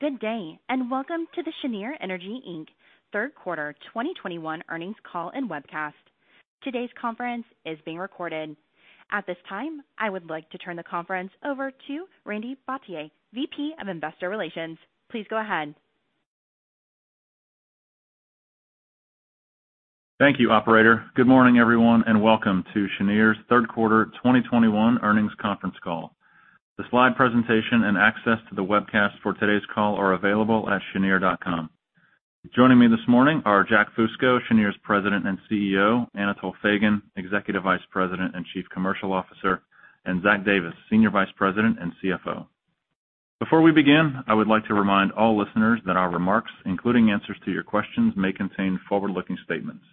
Good day, and welcome to the Cheniere Energy, Inc third quarter 2021 earnings call and webcast. Today's conference is being recorded. At this time, I would like to turn the conference over to Randy Bhatia, VP of Investor Relations. Please go ahead. Thank you, operator. Good morning, everyone, and welcome to Cheniere's third quarter 2021 earnings conference call. The slide presentation and access to the webcast for today's call are available at cheniere.com. Joining me this morning are Jack Fusco, Cheniere's President and CEO, Anatol Feygin, Executive Vice President and Chief Commercial Officer, and Zach Davis, Senior Vice President and CFO. Before we begin, I would like to remind all listeners that our remarks, including answers to your questions, may contain forward-looking statements,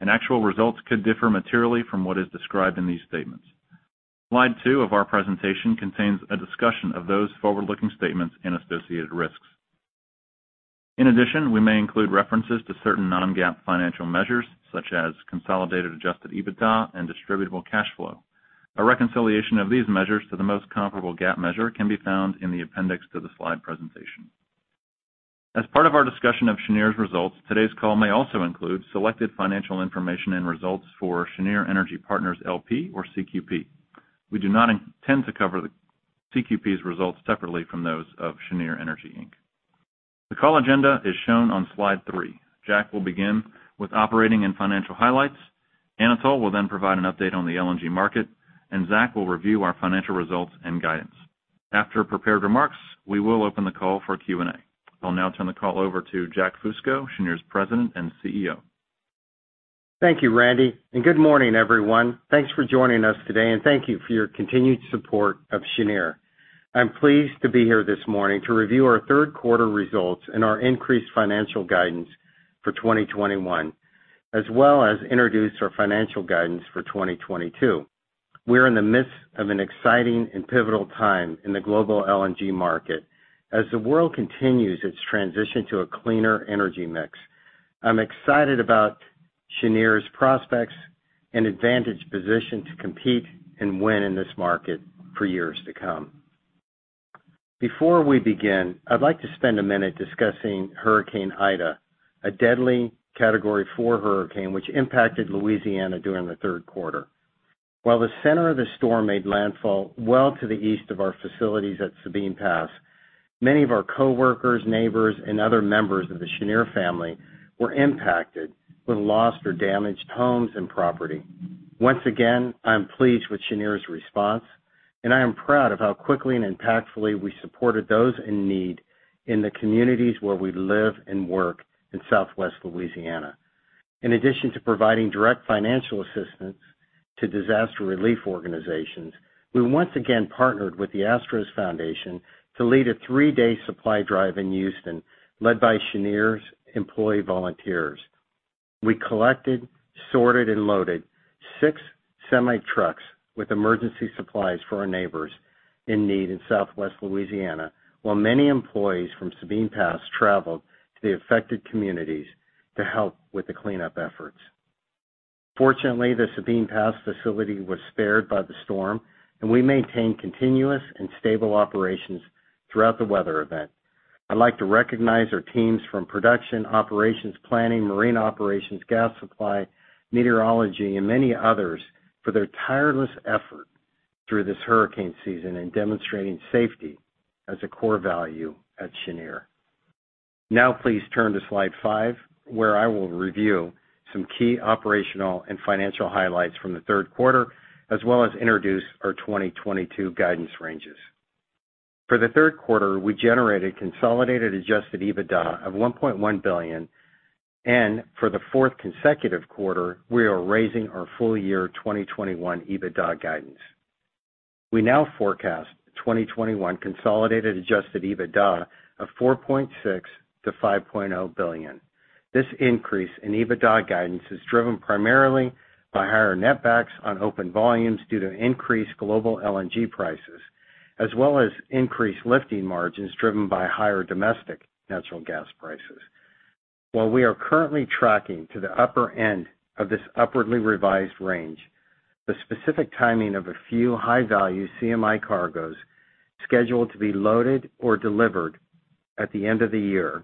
and actual results could differ materially from what is described in these statements. Slide two of our presentation contains a discussion of those forward-looking statements and associated risks. In addition, we may include references to certain non-GAAP financial measures, such as consolidated adjusted EBITDA and distributable cash flow. A reconciliation of these measures to the most comparable GAAP measure can be found in the appendix to the slide presentation. As part of our discussion of Cheniere's results, today's call may also include selected financial information and results for Cheniere Energy Partners, L.P. or CQP. We do not intend to cover the CQP's results separately from those of Cheniere Energy, Inc. The call agenda is shown on slide three. Jack will begin with operating and financial highlights. Anatol will then provide an update on the LNG market, and Zach will review our financial results and guidance. After prepared remarks, we will open the call for Q&A. I'll now turn the call over to Jack Fusco, Cheniere's President and CEO. Thank you, Randy, and good morning, everyone. Thanks for joining us today, and thank you for your continued support of Cheniere. I'm pleased to be here this morning to review our third quarter results and our increased financial guidance for 2021, as well as introduce our financial guidance for 2022. We're in the midst of an exciting and pivotal time in the global LNG market as the world continues its transition to a cleaner energy mix. I'm excited about Cheniere's prospects and advantaged position to compete and win in this market for years to come. Before we begin, I'd like to spend a minute discussing Hurricane Ida, a deadly Category 4 hurricane which impacted Louisiana during the third quarter. While the center of the storm made landfall well to the east of our facilities at Sabine Pass, many of our coworkers, neighbors, and other members of the Cheniere family were impacted with lost or damaged homes and property. Once again, I am pleased with Cheniere's response, and I am proud of how quickly and impactfully we supported those in need in the communities where we live and work in Southwest Louisiana. In addition to providing direct financial assistance to disaster relief organizations, we once again partnered with the Astros Foundation to lead a three-day supply drive in Houston, led by Cheniere's employee volunteers. We collected, sorted, and loaded six semi-trucks with emergency supplies for our neighbors in need in Southwest Louisiana, while many employees from Sabine Pass traveled to the affected communities to help with the cleanup efforts. Fortunately, the Sabine Pass facility was spared by the storm, and we maintained continuous and stable operations throughout the weather event. I'd like to recognize our teams from production, operations, planning, marine operations, gas supply, meteorology, and many others for their tireless effort through this hurricane season in demonstrating safety as a core value at Cheniere. Now, please turn to slide five, where I will review some key operational and financial highlights from the third quarter, as well as introduce our 2022 guidance ranges. For the third quarter, we generated consolidated adjusted EBITDA of $1.1 billion, and for the fourth consecutive quarter, we are raising our full year 2021 EBITDA guidance. We now forecast 2021 consolidated adjusted EBITDA of $4.6 billion-$5 billion. This increase in EBITDA guidance is driven primarily by higher net backs on open volumes due to increased global LNG prices, as well as increased lifting margins driven by higher domestic natural gas prices. While we are currently tracking to the upper end of this upwardly revised range, the specific timing of a few high-value CMI cargoes scheduled to be loaded or delivered at the end of the year,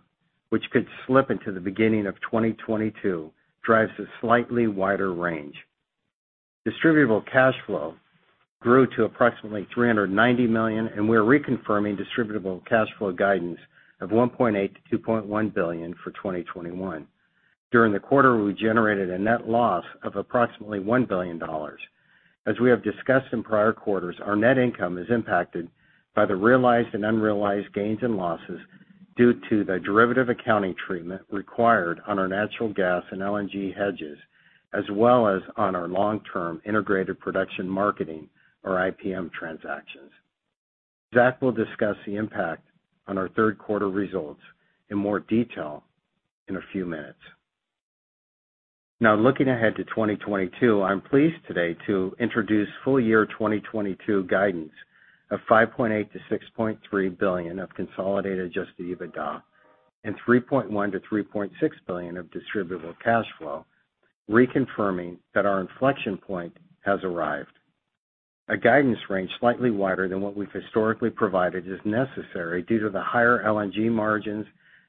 which could slip into the beginning of 2022, drives a slightly wider range. Distributable cash flow grew to approximately $390 million, and we're reconfirming distributable cash flow guidance of $1.8 billion-$2.1 billion for 2021. During the quarter, we generated a net loss of approximately $1 billion. As we have discussed in prior quarters, our net income is impacted by the realized and unrealized gains and losses due to the derivative accounting treatment required on our natural gas and LNG hedges, as well as on our long-term integrated production marketing or IPM transactions. Zach will discuss the impact on our third quarter results in more detail in a few minutes. Now, looking ahead to 2022, I'm pleased today to introduce full year 2022 guidance of $5.8 billion-$6.3 billion of consolidated adjusted EBITDA and $3.1 billion-$3.6 billion of distributable cash flow. Reconfirming that our inflection point has arrived. A guidance range slightly wider than what we've historically provided is necessary due to the higher LNG margins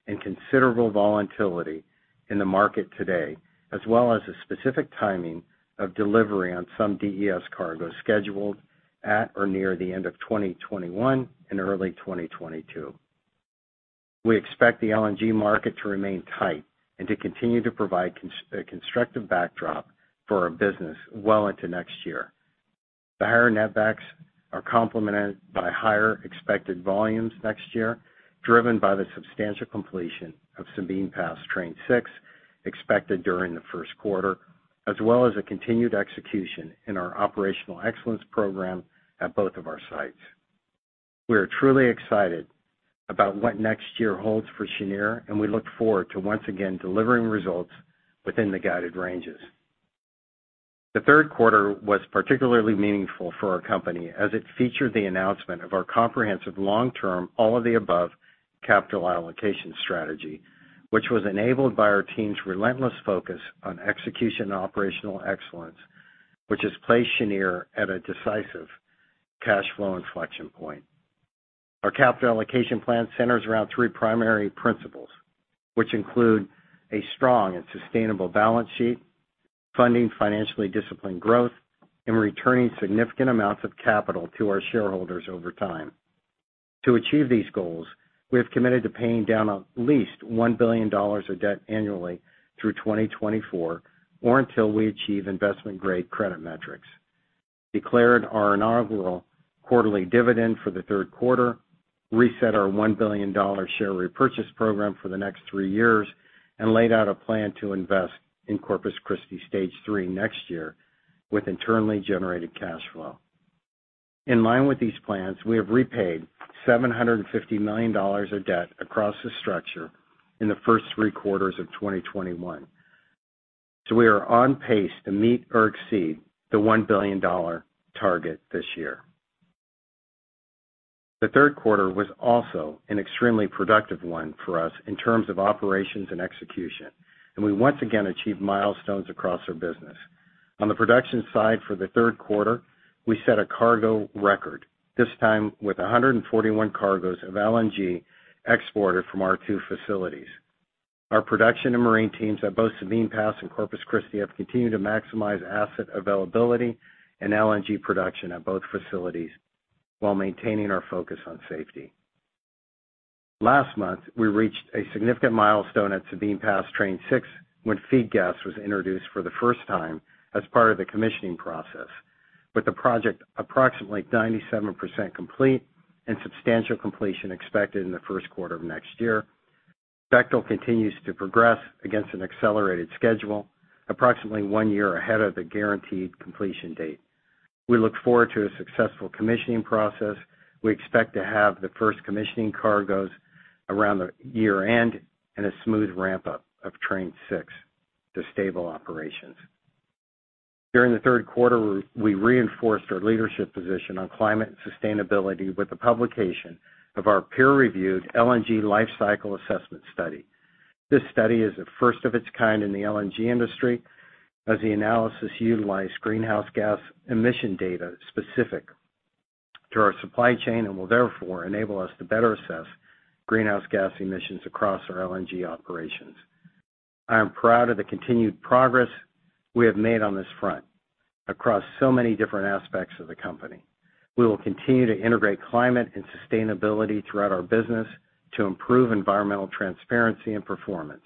and considerable volatility in the market today, as well as the specific timing of delivery on some DES cargo scheduled at or near the end of 2021 and early 2022. We expect the LNG market to remain tight and to continue to provide constructive backdrop for our business well into next year. The higher net backs are complemented by higher expected volumes next year, driven by the substantial completion of Sabine Pass Train 6 expected during the first quarter, as well as a continued execution in our operational excellence program at both of our sites. We are truly excited about what next year holds for Cheniere, and we look forward to once again delivering results within the guided ranges. The third quarter was particularly meaningful for our company as it featured the announcement of our comprehensive long-term all-of-the-above capital allocation strategy, which was enabled by our team's relentless focus on execution and operational excellence, which has placed Cheniere at a decisive cash flow inflection point. Our capital allocation plan centers around three primary principles, which include a strong and sustainable balance sheet, funding financially disciplined growth, and returning significant amounts of capital to our shareholders over time. To achieve these goals, we have committed to paying down at least $1 billion of debt annually through 2024, or until we achieve investment-grade credit metrics, declared our inaugural quarterly dividend for the third quarter, reset our $1 billion share repurchase program for the next three years, and laid out a plan to invest in Corpus Christi Stage 3 next year with internally generated cash flow. In line with these plans, we have repaid $750 million of debt across the structure in the first three quarters of 2021. We are on pace to meet or exceed the $1 billion target this year. The third quarter was also an extremely productive one for us in terms of operations and execution, and we once again achieved milestones across our business. On the production side for the third quarter, we set a cargo record, this time with 141 cargoes of LNG exported from our two facilities. Our production and marine teams at both Sabine Pass and Corpus Christi have continued to maximize asset availability and LNG production at both facilities while maintaining our focus on safety. Last month, we reached a significant milestone at Sabine Pass Train 6 when feed gas was introduced for the first time as part of the commissioning process. With the project approximately 97% complete and substantial completion expected in the first quarter of next year, Bechtel continues to progress against an accelerated schedule, approximately one year ahead of the guaranteed completion date. We look forward to a successful commissioning process. We expect to have the first commissioning cargoes around the year-end and a smooth ramp-up of Train 6 to stable operations. During the third quarter, we reinforced our leadership position on climate and sustainability with the publication of our peer-reviewed LNG lifecycle assessment study. This study is the first of its kind in the LNG industry, as the analysis utilized greenhouse gas emission data specific to our supply chain and will therefore enable us to better assess greenhouse gas emissions across our LNG operations. I am proud of the continued progress we have made on this front across so many different aspects of the company. We will continue to integrate climate and sustainability throughout our business to improve environmental transparency and performance.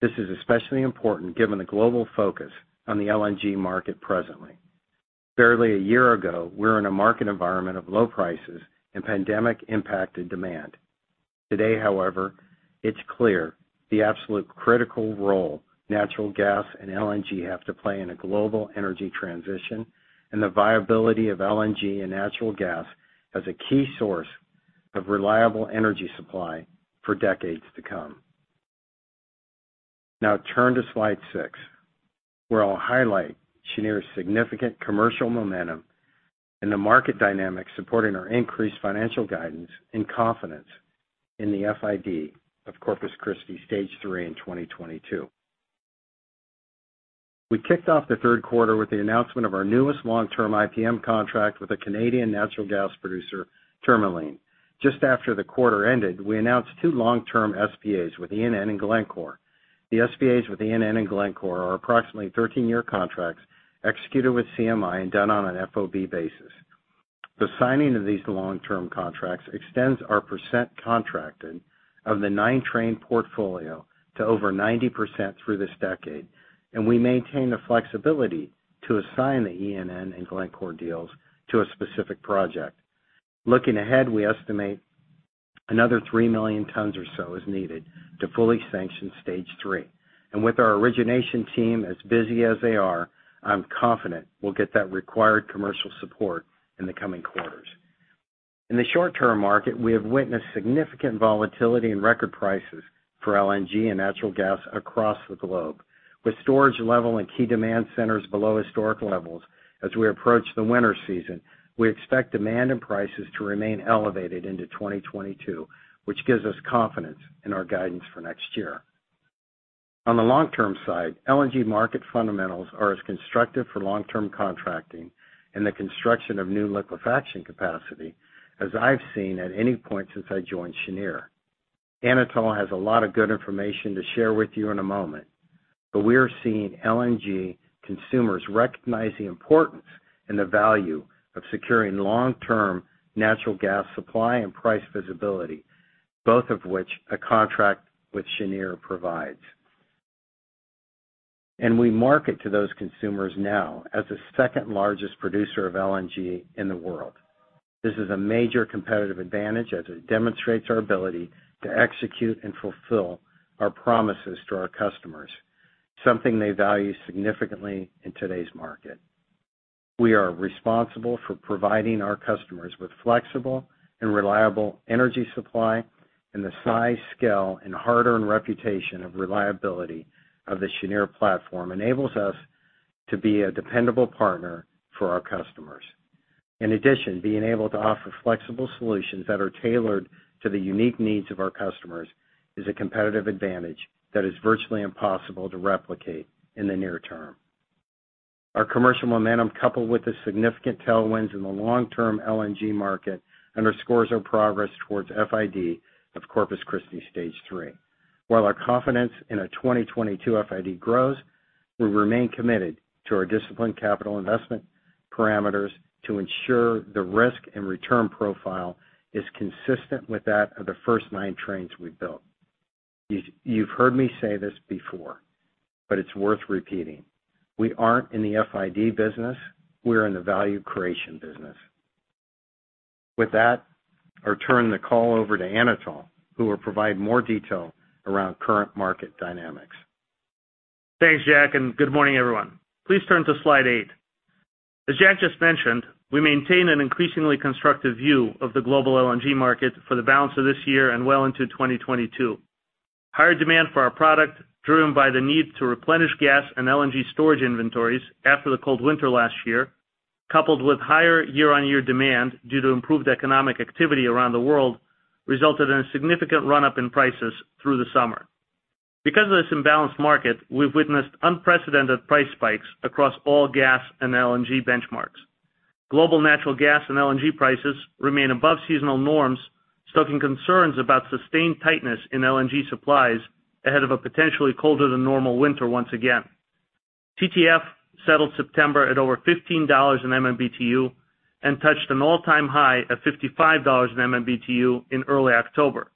This is especially important given the global focus on the LNG market presently. Barely a year ago, we were in a market environment of low prices and pandemic-impacted demand. Today, however, it's clear the absolutely critical role natural gas and LNG have to play in a global energy transition and the viability of LNG and natural gas as a key source of reliable energy supply for decades to come. Now turn to slide six, where I'll highlight Cheniere's significant commercial momentum and the market dynamics supporting our increased financial guidance and confidence in the FID of Corpus Christi Stage 3 in 2022. We kicked off the third quarter with the announcement of our newest long-term IPM contract with a Canadian natural gas producer, Tourmaline. Just after the quarter ended, we announced two long-term SPAs with ENN and Glencore. The SPAs with ENN and Glencore are approximately 13-year contracts executed with CMI and done on an FOB basis. The signing of these long-term contracts extends our percent contracted of the 9-Train portfolio to over 90% through this decade, and we maintain the flexibility to assign the ENN and Glencore deals to a specific project. Looking ahead, we estimate another 3 million tons or so is needed to fully sanction Stage 3. With our origination team as busy as they are, I'm confident we'll get that required commercial support in the coming quarters. In the short-term market, we have witnessed significant volatility and record prices for LNG and natural gas across the globe. With storage level and key demand centers below historic levels as we approach the winter season, we expect demand and prices to remain elevated into 2022, which gives us confidence in our guidance for next year. On the long-term side, LNG market fundamentals are as constructive for long-term contracting and the construction of new liquefaction capacity as I've seen at any point since I joined Cheniere. Anatol has a lot of good information to share with you in a moment, but we're seeing LNG consumers recognize the importance and the value of securing long-term natural gas supply and price visibility, both of which a contract with Cheniere provides. We market to those consumers now as the second-largest producer of LNG in the world. This is a major competitive advantage as it demonstrates our ability to execute and fulfill our promises to our customers, something they value significantly in today's market. We are responsible for providing our customers with flexible and reliable energy supply. The size, scale, and hard-earned reputation of reliability of the Cheniere platform enables us to be a dependable partner for our customers. In addition, being able to offer flexible solutions that are tailored to the unique needs of our customers is a competitive advantage that is virtually impossible to replicate in the near term. Our commercial momentum, coupled with the significant tailwinds in the long-term LNG market, underscores our progress towards FID of Corpus Christi Stage 3. While our confidence in a 2022 FID grows, we remain committed to our disciplined capital investment parameters to ensure the risk and return profile is consistent with that of the first nine trains we've built. You've heard me say this before, but it's worth repeating. We aren't in the FID business, we're in the value creation business. With that, I turn the call over to Anatol, who will provide more detail around current market dynamics. Thanks, Jack, and good morning, everyone. Please turn to slide eight. As Jack just mentioned, we maintain an increasingly constructive view of the global LNG market for the balance of this year and well into 2022. Higher demand for our product, driven by the need to replenish gas and LNG storage inventories after the cold winter last year, coupled with higher year-on-year demand due to improved economic activity around the world, resulted in a significant run-up in prices through the summer. Because of this imbalanced market, we've witnessed unprecedented price spikes across all gas and LNG benchmarks. Global natural gas and LNG prices remain above seasonal norms, stoking concerns about sustained tightness in LNG supplies ahead of a potentially colder than normal winter once again. TTF settled September at over $15/MMBtu and touched an all-time high of $55/MMBtu in early October.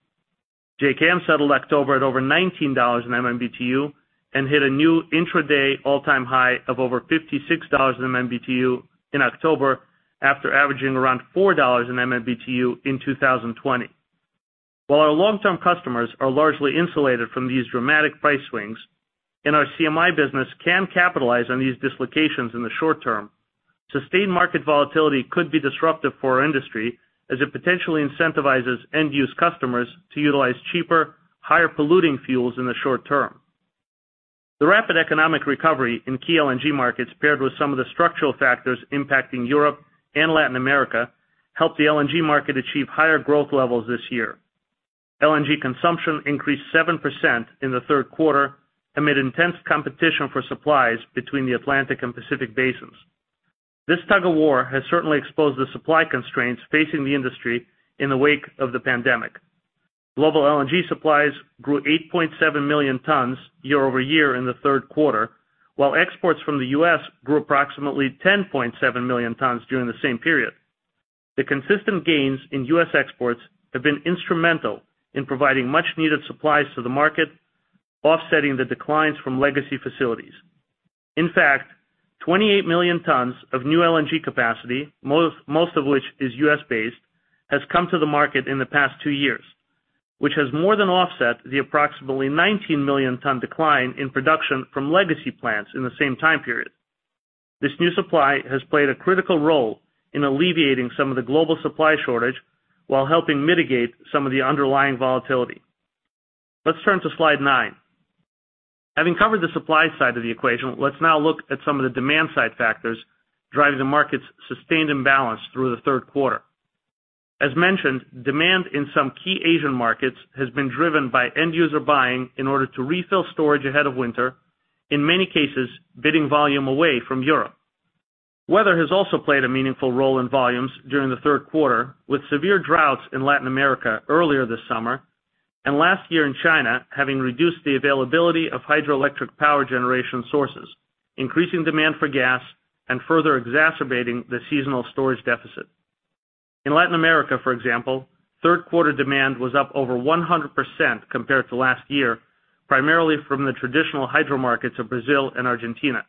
JKM settled October at over $19/MMBtu and hit a new intraday all-time high of over $56/MMBtu in October after averaging around $4/MMBtu in 2020. While our long-term customers are largely insulated from these dramatic price swings, and our CMI business can capitalize on these dislocations in the short term, sustained market volatility could be disruptive for our industry as it potentially incentivizes end-use customers to utilize cheaper, higher-polluting fuels in the short term. The rapid economic recovery in key LNG markets, paired with some of the structural factors impacting Europe and Latin America, helped the LNG market achieve higher growth levels this year. LNG consumption increased 7% in the third quarter amid intense competition for supplies between the Atlantic and Pacific basins. This tug-of-war has certainly exposed the supply constraints facing the industry in the wake of the pandemic. Global LNG supplies grew 8.7 million tons year-over-year in the third quarter, while exports from the U.S. grew approximately 10.7 million tons during the same period. The consistent gains in U.S. exports have been instrumental in providing much-needed supplies to the market, offsetting the declines from legacy facilities. In fact, 28 million tons of new LNG capacity, most of which is U.S.-based, has come to the market in the past two years, which has more than offset the approximately 19 million ton decline in production from legacy plants in the same time period. This new supply has played a critical role in alleviating some of the global supply shortage while helping mitigate some of the underlying volatility. Let's turn to slide nine. Having covered the supply side of the equation, let's now look at some of the demand-side factors driving the market's sustained imbalance through the third quarter. As mentioned, demand in some key Asian markets has been driven by end-user buying in order to refill storage ahead of winter, in many cases, bidding volume away from Europe. Weather has also played a meaningful role in volumes during the third quarter, with severe droughts in Latin America earlier this summer and last year in China, having reduced the availability of hydroelectric power generation sources, increasing demand for gas and further exacerbating the seasonal storage deficit. In Latin America, for example, third quarter demand was up over 100% compared to last year, primarily from the traditional hydro markets of Brazil and Argentina.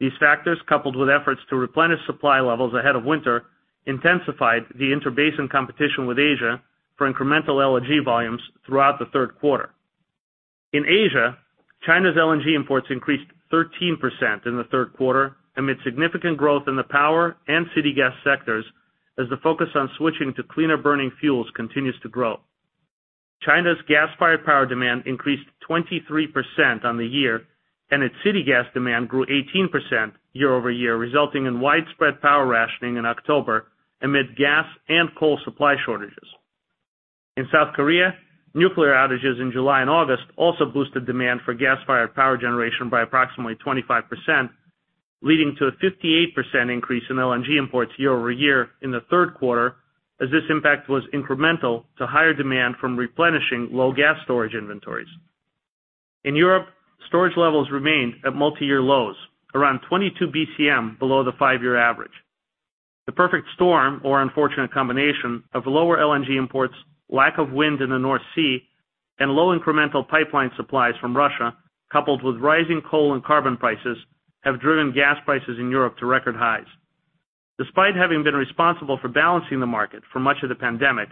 These factors, coupled with efforts to replenish supply levels ahead of winter, intensified the inter-basin competition with Asia for incremental LNG volumes throughout the third quarter. In Asia, China's LNG imports increased 13% in the third quarter amid significant growth in the power and city gas sectors as the focus on switching to cleaner-burning fuels continues to grow. China's gas-fired power demand increased 23% on the year, and its city gas demand grew 18% year-over-year, resulting in widespread power rationing in October amid gas and coal supply shortages. In South Korea, nuclear outages in July and August also boosted demand for gas-fired power generation by approximately 25%, leading to a 58% increase in LNG imports year-over-year in the third quarter, as this impact was incremental to higher demand from replenishing low gas storage inventories. In Europe, storage levels remained at multi-year lows, around 22 BCM below the five-year average. The perfect storm or unfortunate combination of lower LNG imports, lack of wind in the North Sea, and low incremental pipeline supplies from Russia, coupled with rising coal and carbon prices, have driven gas prices in Europe to record highs. Despite having been responsible for balancing the market for much of the pandemic,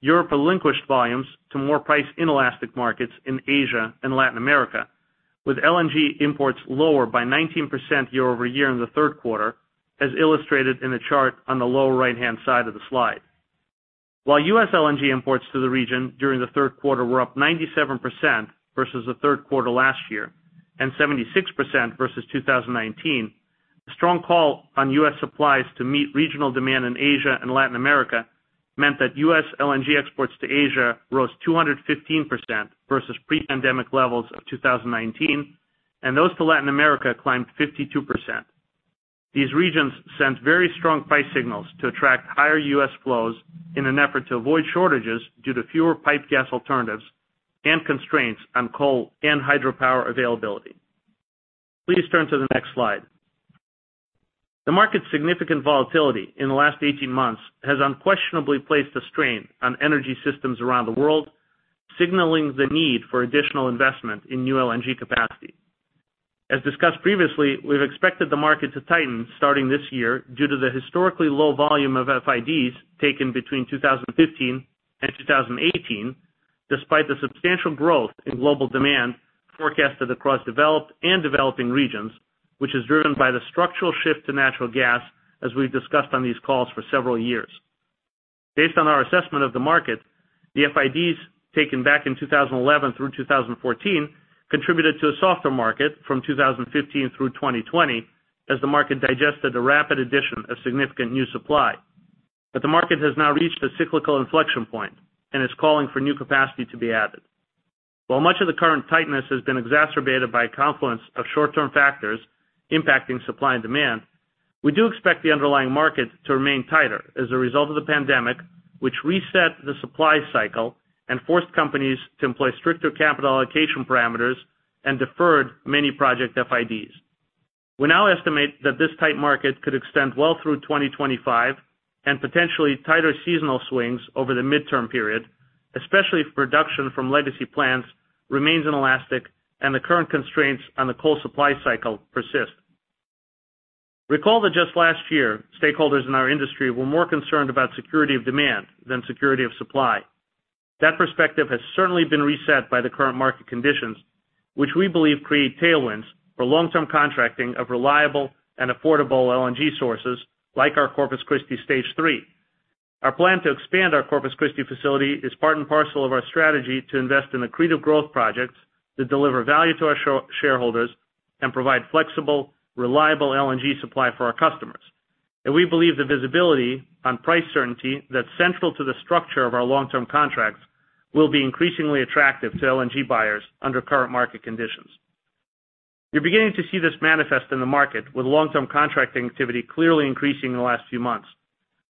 Europe relinquished volumes to more price-inelastic markets in Asia and Latin America, with LNG imports lower by 19% year-over-year in the third quarter, as illustrated in the chart on the lower right-hand side of the slide. While U.S. LNG imports to the region during the third quarter were up 97% versus the third quarter last year and 76% versus 2019, the strong call on U.S. supplies to meet regional demand in Asia and Latin America meant that U.S. LNG exports to Asia rose 215% versus pre-pandemic levels of 2019, and those to Latin America climbed 52%. These regions sent very strong price signals to attract higher U.S. flows in an effort to avoid shortages due to fewer pipeline gas alternatives and constraints on coal and hydropower availability. Please turn to the next slide. The market's significant volatility in the last 18 months has unquestionably placed a strain on energy systems around the world, signaling the need for additional investment in new LNG capacity. As discussed previously, we've expected the market to tighten starting this year due to the historically low volume of FIDs taken between 2015 and 2018, despite the substantial growth in global demand forecasted across developed and developing regions, which is driven by the structural shift to natural gas, as we've discussed on these calls for several years. Based on our assessment of the market, the FIDs taken back in 2011 through 2014 contributed to a softer market from 2015 through 2020 as the market digested the rapid addition of significant new supply. The market has now reached a cyclical inflection point and is calling for new capacity to be added. While much of the current tightness has been exacerbated by a confluence of short-term factors impacting supply and demand, we do expect the underlying market to remain tighter as a result of the pandemic, which reset the supply cycle and forced companies to employ stricter capital allocation parameters and deferred many project FIDs. We now estimate that this tight market could extend well through 2025 and potentially tighter seasonal swings over the midterm period, especially if production from legacy plants remains inelastic and the current constraints on the coal supply cycle persist. Recall that just last year, stakeholders in our industry were more concerned about security of demand than security of supply. That perspective has certainly been reset by the current market conditions, which we believe create tailwinds for long-term contracting of reliable and affordable LNG sources like our Corpus Christi Stage 3. Our plan to expand our Corpus Christi facility is part and parcel of our strategy to invest in accretive growth projects that deliver value to our shareholders and provide flexible, reliable LNG supply for our customers. We believe the visibility on price certainty that's central to the structure of our long-term contracts will be increasingly attractive to LNG buyers under current market conditions. You're beginning to see this manifest in the market, with long-term contracting activity clearly increasing in the last few months.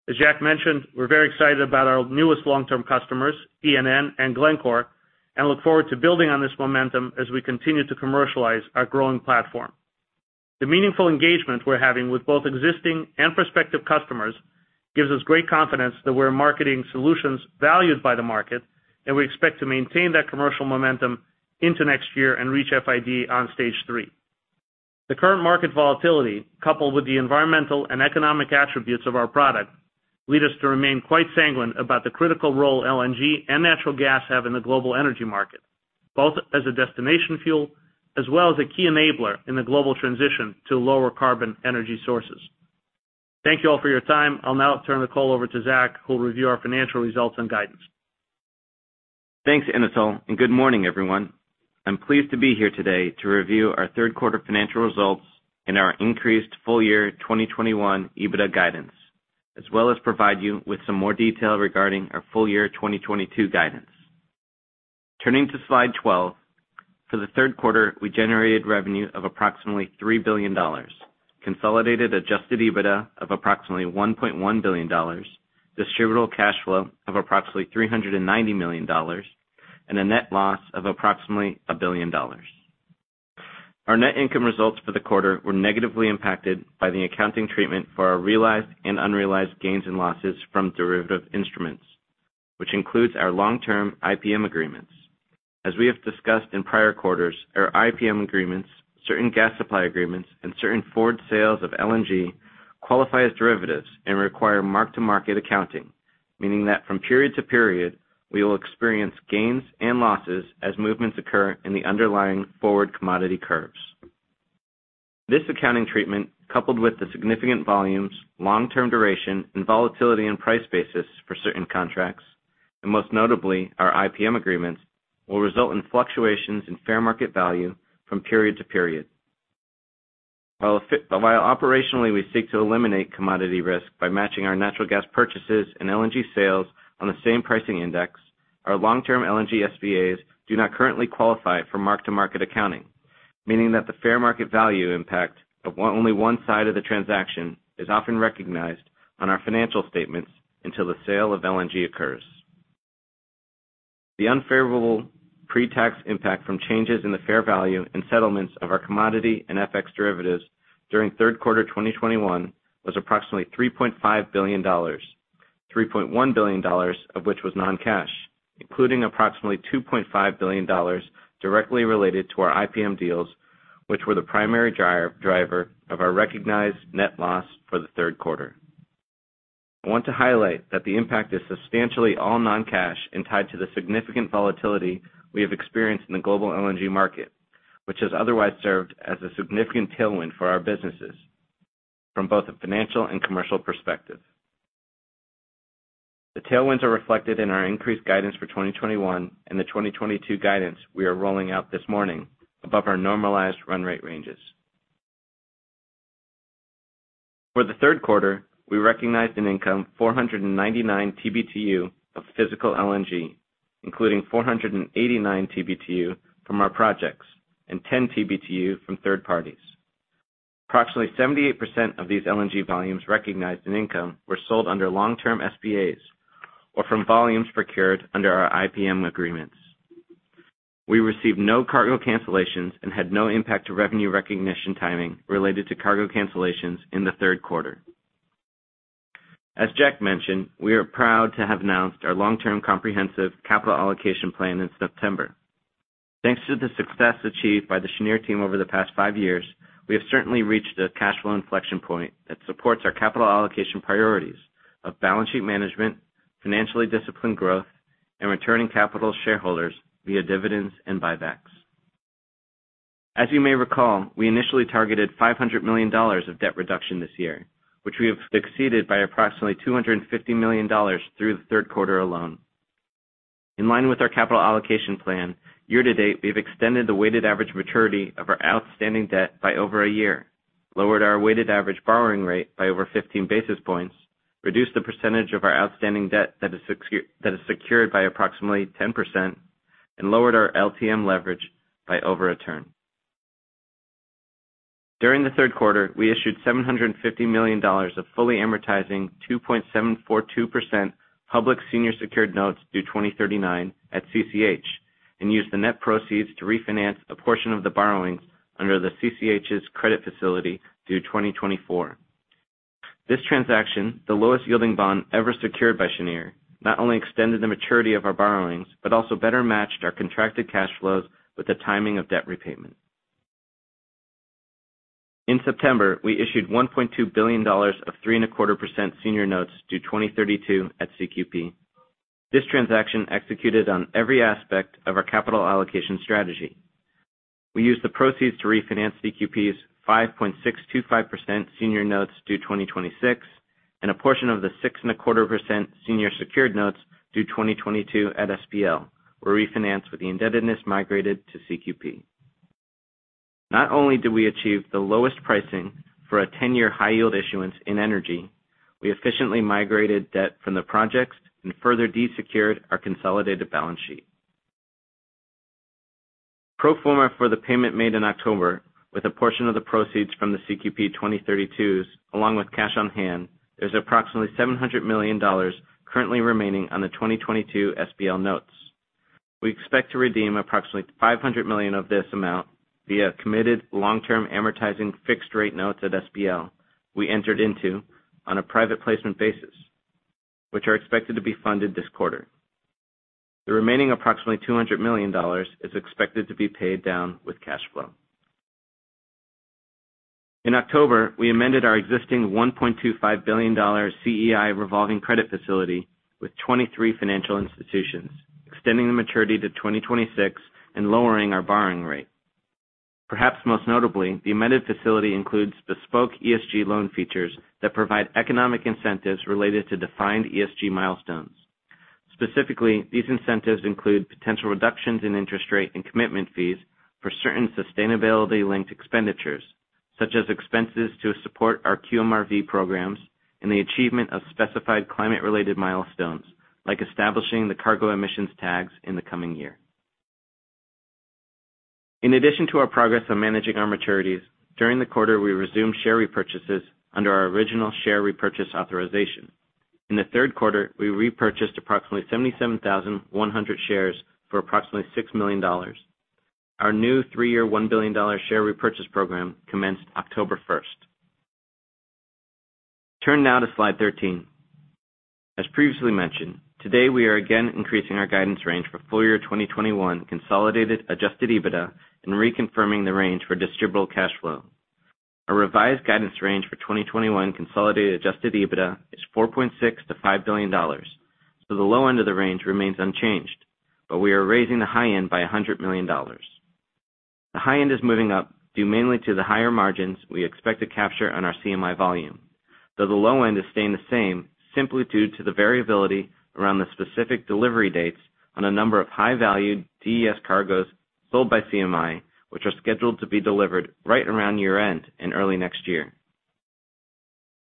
As Jack mentioned, we're very excited about our newest long-term customers, ENN and Glencore, and look forward to building on this momentum as we continue to commercialize our growing platform. The meaningful engagement we're having with both existing and prospective customers gives us great confidence that we're marketing solutions valued by the market, and we expect to maintain that commercial momentum into next year and reach FID on Stage 3. The current market volatility, coupled with the environmental and economic attributes of our product, lead us to remain quite sanguine about the critical role LNG and natural gas have in the global energy market, both as a destination fuel as well as a key enabler in the global transition to lower carbon energy sources. Thank you all for your time. I'll now turn the call over to Zach, who will review our financial results and guidance. Thanks, Anatol, and good morning, everyone. I'm pleased to be here today to review our third quarter financial results and our increased full year 2021 EBITDA guidance, as well as provide you with some more detail regarding our full year 2022 guidance. Turning to slide 12, for the third quarter, we generated revenue of approximately $3 billion, consolidated adjusted EBITDA of approximately $1.1 billion, distributable cash flow of approximately $390 million, and a net loss of approximately $1 billion. Our net income results for the quarter were negatively impacted by the accounting treatment for our realized and unrealized gains and losses from derivative instruments, which includes our long-term IPM agreements. As we have discussed in prior quarters, our IPM agreements, certain gas supply agreements, and certain forward sales of LNG qualify as derivatives and require mark-to-market accounting, meaning that from period to period, we will experience gains and losses as movements occur in the underlying forward commodity curves. This accounting treatment, coupled with the significant volumes, long-term duration, and volatility and price basis for certain contracts, and most notably our IPM agreements, will result in fluctuations in fair market value from period to period. While operationally, we seek to eliminate commodity risk by matching our natural gas purchases and LNG sales on the same pricing index, our long-term LNG SPAs do not currently qualify for mark-to-market accounting, meaning that the fair market value impact of only one side of the transaction is often recognized on our financial statements until the sale of LNG occurs. The unfavorable pre-tax impact from changes in the fair value and settlements of our commodity and FX derivatives during third quarter 2021 was approximately $3.5 billion, $3.1 billion of which was non-cash, including approximately $2.5 billion directly related to our IPM deals, which were the primary driver of our recognized net loss for the third quarter. I want to highlight that the impact is substantially all non-cash and tied to the significant volatility we have experienced in the global LNG market, which has otherwise served as a significant tailwind for our businesses from both a financial and commercial perspective. The tailwinds are reflected in our increased guidance for 2021 and the 2022 guidance we are rolling out this morning above our normalized run rate ranges. For the third quarter, we recognized income from 499 TBtu of physical LNG, including 489 TBtu from our projects and 10 TBtu from third parties. Approximately 78% of these LNG volumes recognized in income were sold under long-term SPAs or from volumes procured under our IPM agreements. We received no cargo cancellations and had no impact to revenue recognition timing related to cargo cancellations in the third quarter. As Jack mentioned, we are proud to have announced our long-term comprehensive capital allocation plan in September. Thanks to the success achieved by the Cheniere team over the past five years, we have certainly reached a cash flow inflection point that supports our capital allocation priorities of balance sheet management, financially disciplined growth, and returning capital to shareholders via dividends and buybacks. As you may recall, we initially targeted $500 million of debt reduction this year, which we have exceeded by approximately $250 million through the third quarter alone. In line with our capital allocation plan, year-to-date, we have extended the weighted average maturity of our outstanding debt by over a year, lowered our weighted average borrowing rate by over 15 basis points, reduced the percentage of our outstanding debt that is secured by approximately 10%, and lowered our LTM leverage by over a turn. During the third quarter, we issued $750 million of fully amortizing 2.742% public senior secured notes due 2039 at CCH and used the net proceeds to refinance a portion of the borrowings under the CCH's credit facility due 2024. This transaction, the lowest-yielding bond ever secured by Cheniere, not only extended the maturity of our borrowings, but also better matched our contracted cash flows with the timing of debt repayment. In September, we issued $1.2 billion of 3.25% senior notes due 2032 at CQP. This transaction executed on every aspect of our capital allocation strategy. We used the proceeds to refinance CQP's 5.625% senior notes due 2026 and a portion of the 6.25% senior secured notes due 2022 at SPL were refinanced with the indebtedness migrated to CQP. Not only did we achieve the lowest pricing for a 10-year high-yield issuance in energy, we efficiently migrated debt from the projects and further de-secured our consolidated balance sheet. Pro forma for the payment made in October, with a portion of the proceeds from the CQP 2032s along with cash on hand, there's approximately $700 million currently remaining on the 2022 SPL notes. We expect to redeem approximately $500 million of this amount via committed long-term amortizing fixed rate notes at SPL we entered into on a private placement basis, which are expected to be funded this quarter. The remaining approximately $200 million is expected to be paid down with cash flow. In October, we amended our existing $1.25 billion CEI revolving credit facility with 23 financial institutions, extending the maturity to 2026 and lowering our borrowing rate. Perhaps most notably, the amended facility includes bespoke ESG loan features that provide economic incentives related to defined ESG milestones. Specifically, these incentives include potential reductions in interest rate and commitment fees for certain sustainability-linked expenditures, such as expenses to support our QMRV programs and the achievement of specified climate-related milestones, like establishing the cargo emissions tags in the coming year. In addition to our progress on managing our maturities, during the quarter, we resumed share repurchases under our original share repurchase authorization. In the third quarter, we repurchased approximately 77,100 shares for approximately $6 million. Our new three-year, $1 billion share repurchase program commenced October first. Turn now to slide 13. As previously mentioned, today we are again increasing our guidance range for full year 2021 consolidated adjusted EBITDA and reconfirming the range for distributable cash flow. Our revised guidance range for 2021 consolidated adjusted EBITDA is $4.6 billion-$5 billion, so the low end of the range remains unchanged, but we are raising the high end by $100 million. The high end is moving up due mainly to the higher margins we expect to capture on our CMI volume. Though the low end is staying the same simply due to the variability around the specific delivery dates on a number of high-value DES cargoes sold by CMI, which are scheduled to be delivered right around year-end and early next year.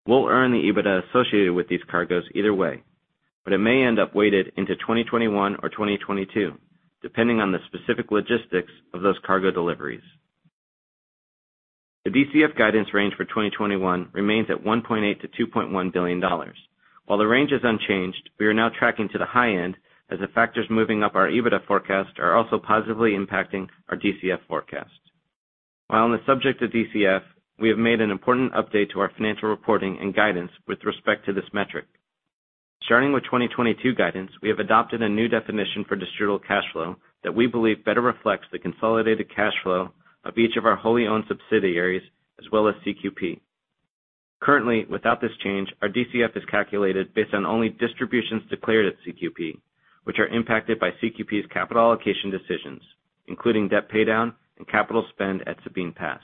We'll earn the EBITDA associated with these cargoes either way, but it may end up weighted into 2021 or 2022, depending on the specific logistics of those cargo deliveries. The DCF guidance range for 2021 remains at $1.8 billion-$2.1 billion. While the range is unchanged, we are now tracking to the high end as the factors moving up our EBITDA forecast are also positively impacting our DCF forecast. While on the subject of DCF, we have made an important update to our financial reporting and guidance with respect to this metric. Starting with 2022 guidance, we have adopted a new definition for distributable cash flow that we believe better reflects the consolidated cash flow of each of our wholly owned subsidiaries, as well as CQP. Currently, without this change, our DCF is calculated based on only distributions declared at CQP, which are impacted by CQP's capital allocation decisions, including debt paydown and capital spend at Sabine Pass.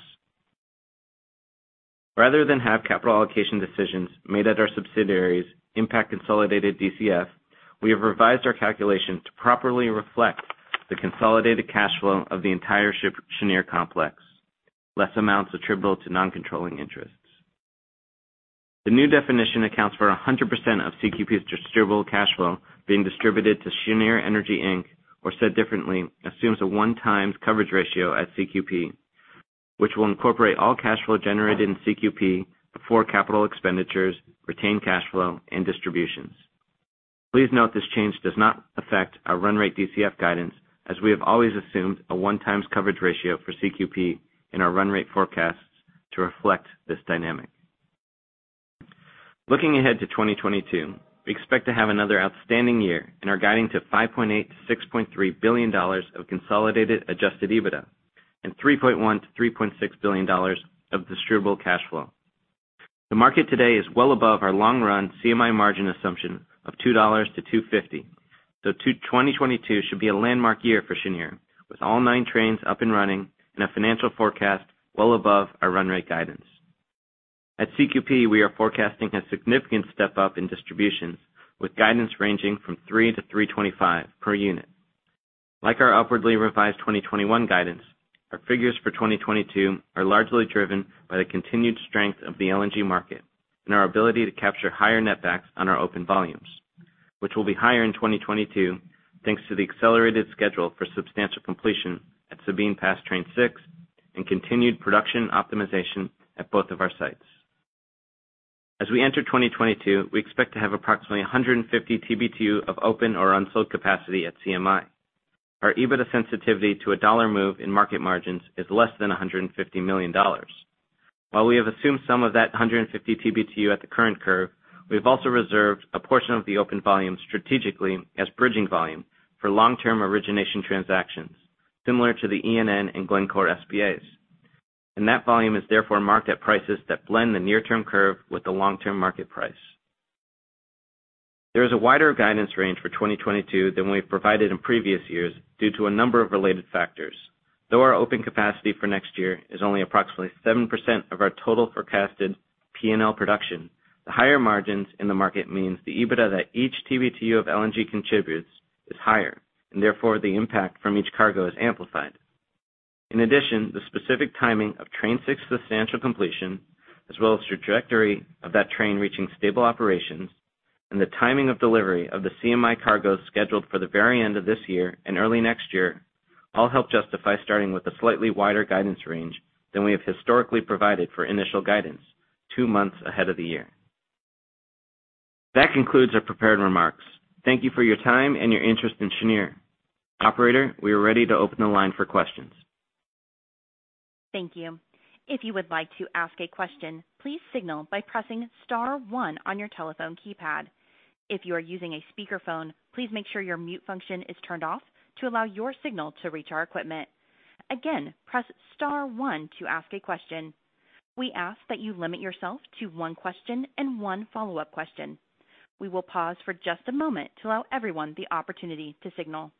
Rather than have capital allocation decisions made at our subsidiaries impact consolidated DCF, we have revised our calculation to properly reflect the consolidated cash flow of the entire Cheniere complex, less amounts attributable to non-controlling interests. The new definition accounts for 100% of CQP's distributable cash flow being distributed to Cheniere Energy, Inc., or said differently, assumes a 1x coverage ratio at CQP, which will incorporate all cash flow generated in CQP before capital expenditures, retained cash flow, and distributions. Please note this change does not affect our run rate DCF guidance, as we have always assumed a 1x coverage ratio for CQP in our run rate forecasts to reflect this dynamic. Looking ahead to 2022, we expect to have another outstanding year and are guiding to $5.8 billion-$6.3 billion of consolidated adjusted EBITDA and $3.1 billion-$3.6 billion of distributable cash flow. The market today is well above our long-run CMI margin assumption of $2-$2.50, so 2022 should be a landmark year for Cheniere, with all nine trains up and running and a financial forecast well above our run rate guidance. At CQP, we are forecasting a significant step-up in distributions with guidance ranging from $3-$3.25 per unit. Like our upwardly revised 2021 guidance, our figures for 2022 are largely driven by the continued strength of the LNG market and our ability to capture higher net backs on our open volumes, which will be higher in 2022, thanks to the accelerated schedule for substantial completion at Sabine Pass Train 6 and continued production optimization at both of our sites. As we enter 2022, we expect to have approximately 150 TBtu of open or unsold capacity at CMI. Our EBITDA sensitivity to a dollar move in market margins is less than $150 million. While we have assumed some of that 150 TBtu at the current curve, we've also reserved a portion of the open volume strategically as bridging volume for long-term origination transactions, similar to the ENN and Glencore SPAs. That volume is therefore marked at prices that blend the near-term curve with the long-term market price. There is a wider guidance range for 2022 than we've provided in previous years due to a number of related factors. Though our open capacity for next year is only approximately 7% of our total forecasted P&L production, the higher margins in the market means the EBITDA that each TBtu of LNG contributes is higher, and therefore, the impact from each cargo is amplified. In addition, the specific timing of Train 6 substantial completion, as well as trajectory of that train reaching stable operations and the timing of delivery of the CMI cargoes scheduled for the very end of this year and early next year, all help justify starting with a slightly wider guidance range than we have historically provided for initial guidance two months ahead of the year. That concludes our prepared remarks. Thank you for your time and your interest in Cheniere. Operator, we are ready to open the line for questions. Thank you. If you would like to ask a question, please signal by pressing star one on your telephone keypad. If you are using a speakerphone, please make sure your mute function is turned off to allow your signal to reach our equipment. Again, press star one to ask a question. We ask that you limit yourself to one question and one follow-up question. We will pause for just a moment to allow everyone the opportunity to signal.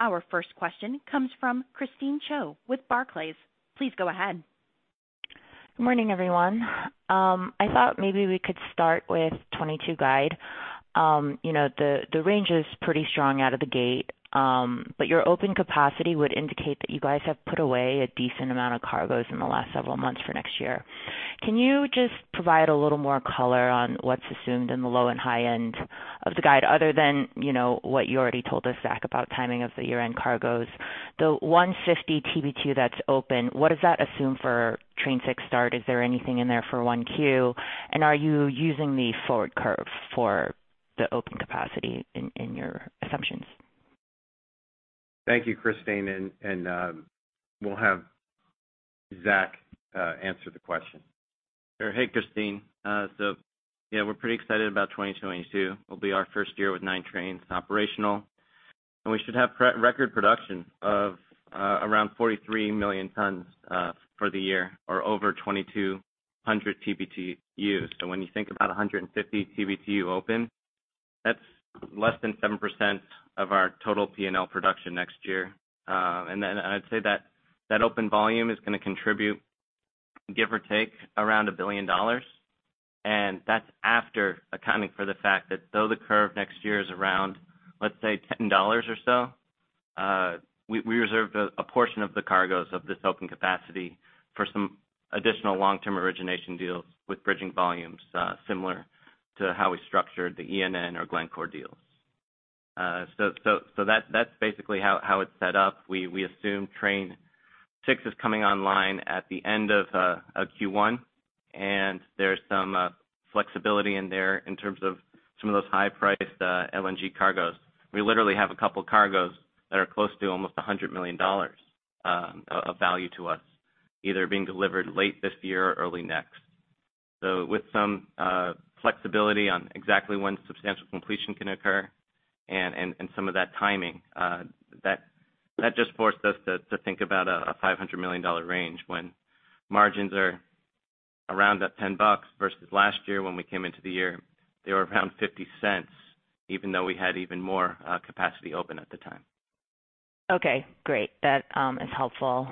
Our first question comes from Christine Cho with Barclays. Please go ahead. Good morning, everyone. I thought maybe we could start with 2022 guide. You know, the range is pretty strong out of the gate, but your open capacity would indicate that you guys have put away a decent amount of cargoes in the last several months for next year. Can you just provide a little more color on what's assumed in the low and high end of the guide other than, you know, what you already told us, Zach, about timing of the year-end cargoes? The 150 TBtu that's open, what does that assume for Train 6 start? Is there anything in there for 1Q? And are you using the forward curve for the open capacity in your assumptions? Thank you, Christine, and we'll have Zach answer the question. Hey, Christine. Yeah, we're pretty excited about 2022. It'll be our first year with 9 Trains operational, and we should have record production of around 43 million tons for the year, or over 2,200 TBtu. When you think about 150 TBtu open. That's less than 7% of our total LNG production next year. Then I'd say that open volume is gonna contribute, give or take, around $1 billion. That's after accounting for the fact that though the curve next year is around, let's say, $10 or so, we reserved a portion of the cargoes of this open capacity for some additional long-term origination deals with bridging volumes, similar to how we structured the ENN or Glencore deals. That's basically how it's set up. We assume Train 6 is coming online at the end of Q1, and there's some flexibility in there in terms of some of those high-priced LNG cargoes. We literally have a couple cargoes that are close to almost $100 million of value to us, either being delivered late this year or early next. With some flexibility on exactly when substantial completion can occur and some of that timing, that just forced us to think about a $500 million range when margins are around that $10 versus last year when we came into the year, they were around $0.50, even though we had even more capacity open at the time. Okay, great. That is helpful.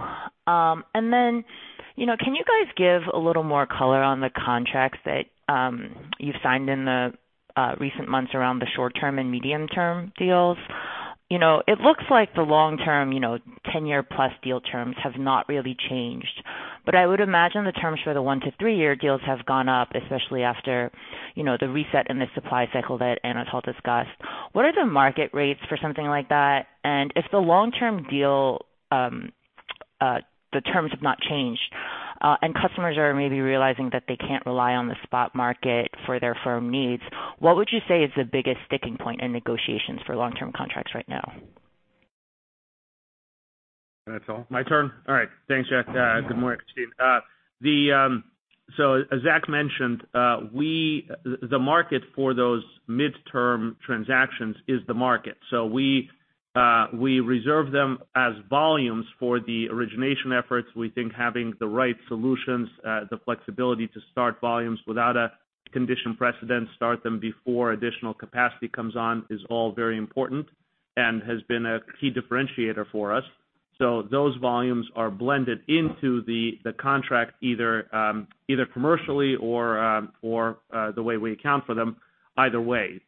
And then, you know, can you guys give a little more color on the contracts that you've signed in the recent months around the short-term and medium-term deals? You know, it looks like the long-term, you know, ten-year-plus deal terms have not really changed. I would imagine the terms for the one-to-three year deals have gone up, especially after, you know, the reset in the supply cycle that Anatol discussed. What are the market rates for something like that? And if the long-term deal, the terms have not changed, and customers are maybe realizing that they can't rely on the spot market for their firm needs, what would you say is the biggest sticking point in negotiations for long-term contracts right now? Anatol? My turn? All right. Thanks, Jack. Good morning, Christine. As Zach mentioned, the market for those midterm transactions is the market. We reserve them as volumes for the origination efforts. We think having the right solutions, the flexibility to start volumes without a condition precedent, start them before additional capacity comes on is all very important and has been a key differentiator for us. Those volumes are blended into the contract either commercially or the way we account for them either way.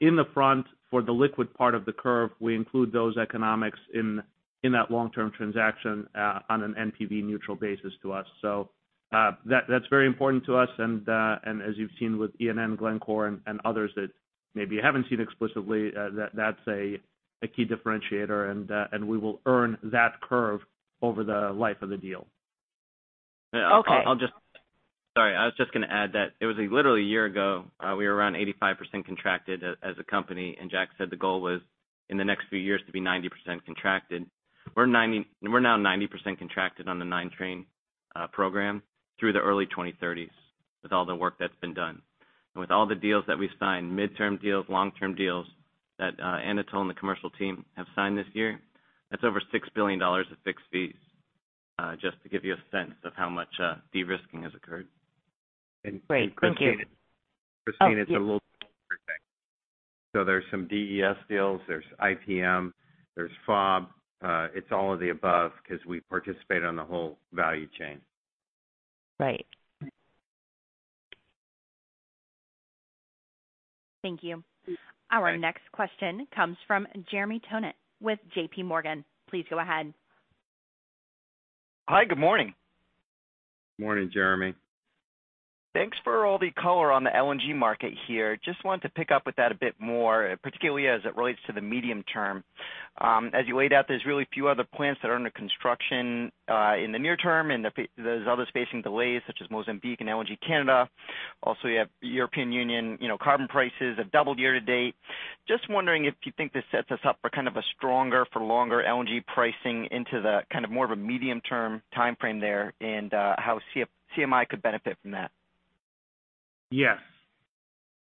In the front, for the liquid part of the curve, we include those economics in that long-term transaction on an NPV neutral basis to us. That's very important to us. As you've seen with ENN, Glencore and others that maybe you haven't seen explicitly, that's a key differentiator, and we will earn that curve over the life of the deal. Okay. Sorry, I was just gonna add that it was literally a year ago, we were around 85% contracted as a company, and Jack said the goal was in the next few years to be 90% contracted. We're now 90% contracted on the 9-Train program through the early 2030s with all the work that's been done. With all the deals that we've signed, midterm deals, long-term deals that Anatol and the commercial team have signed this year, that's over $6 billion of fixed fees just to give you a sense of how much de-risking has occurred. Great. Thank you. Christine, it's a little different thing. There's some DES deals, there's IPM, there's FOB. It's all of the above 'cause we participate on the whole value chain. Right. Thank you. Our next question comes from Jeremy Tonet with JPMorgan. Please go ahead. Hi. Good morning. Morning, Jeremy. Thanks for all the color on the LNG market here. Just wanted to pick up with that a bit more, particularly as it relates to the medium term. As you laid out, there's really few other plants that are under construction in the near term, and there's others facing delays, such as Mozambique and LNG Canada. Also, you have European Union, you know, carbon prices have doubled year to date. Just wondering if you think this sets us up for kind of a stronger for longer LNG pricing into the kind of more of a medium-term timeframe there and how CMI could benefit from that. Yes.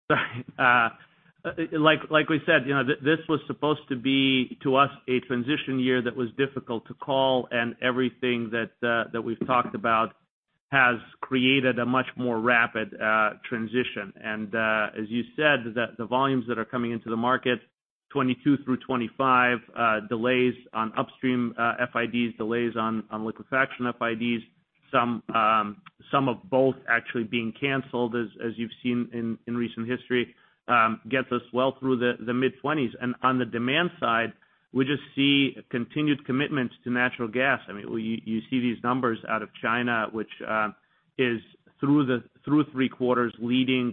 Like we said, you know, this was supposed to be, to us, a transition year that was difficult to call, and everything that we've talked about has created a much more rapid transition. As you said, the volumes that are coming into the market 2022 through 2025, delays on upstream FIDs, delays on liquefaction FIDs. Some of both actually being canceled, as you've seen in recent history, gets us well through the mid-2020s. On the demand side, we just see continued commitments to natural gas. I mean, you see these numbers out of China, which is through three quarters leading,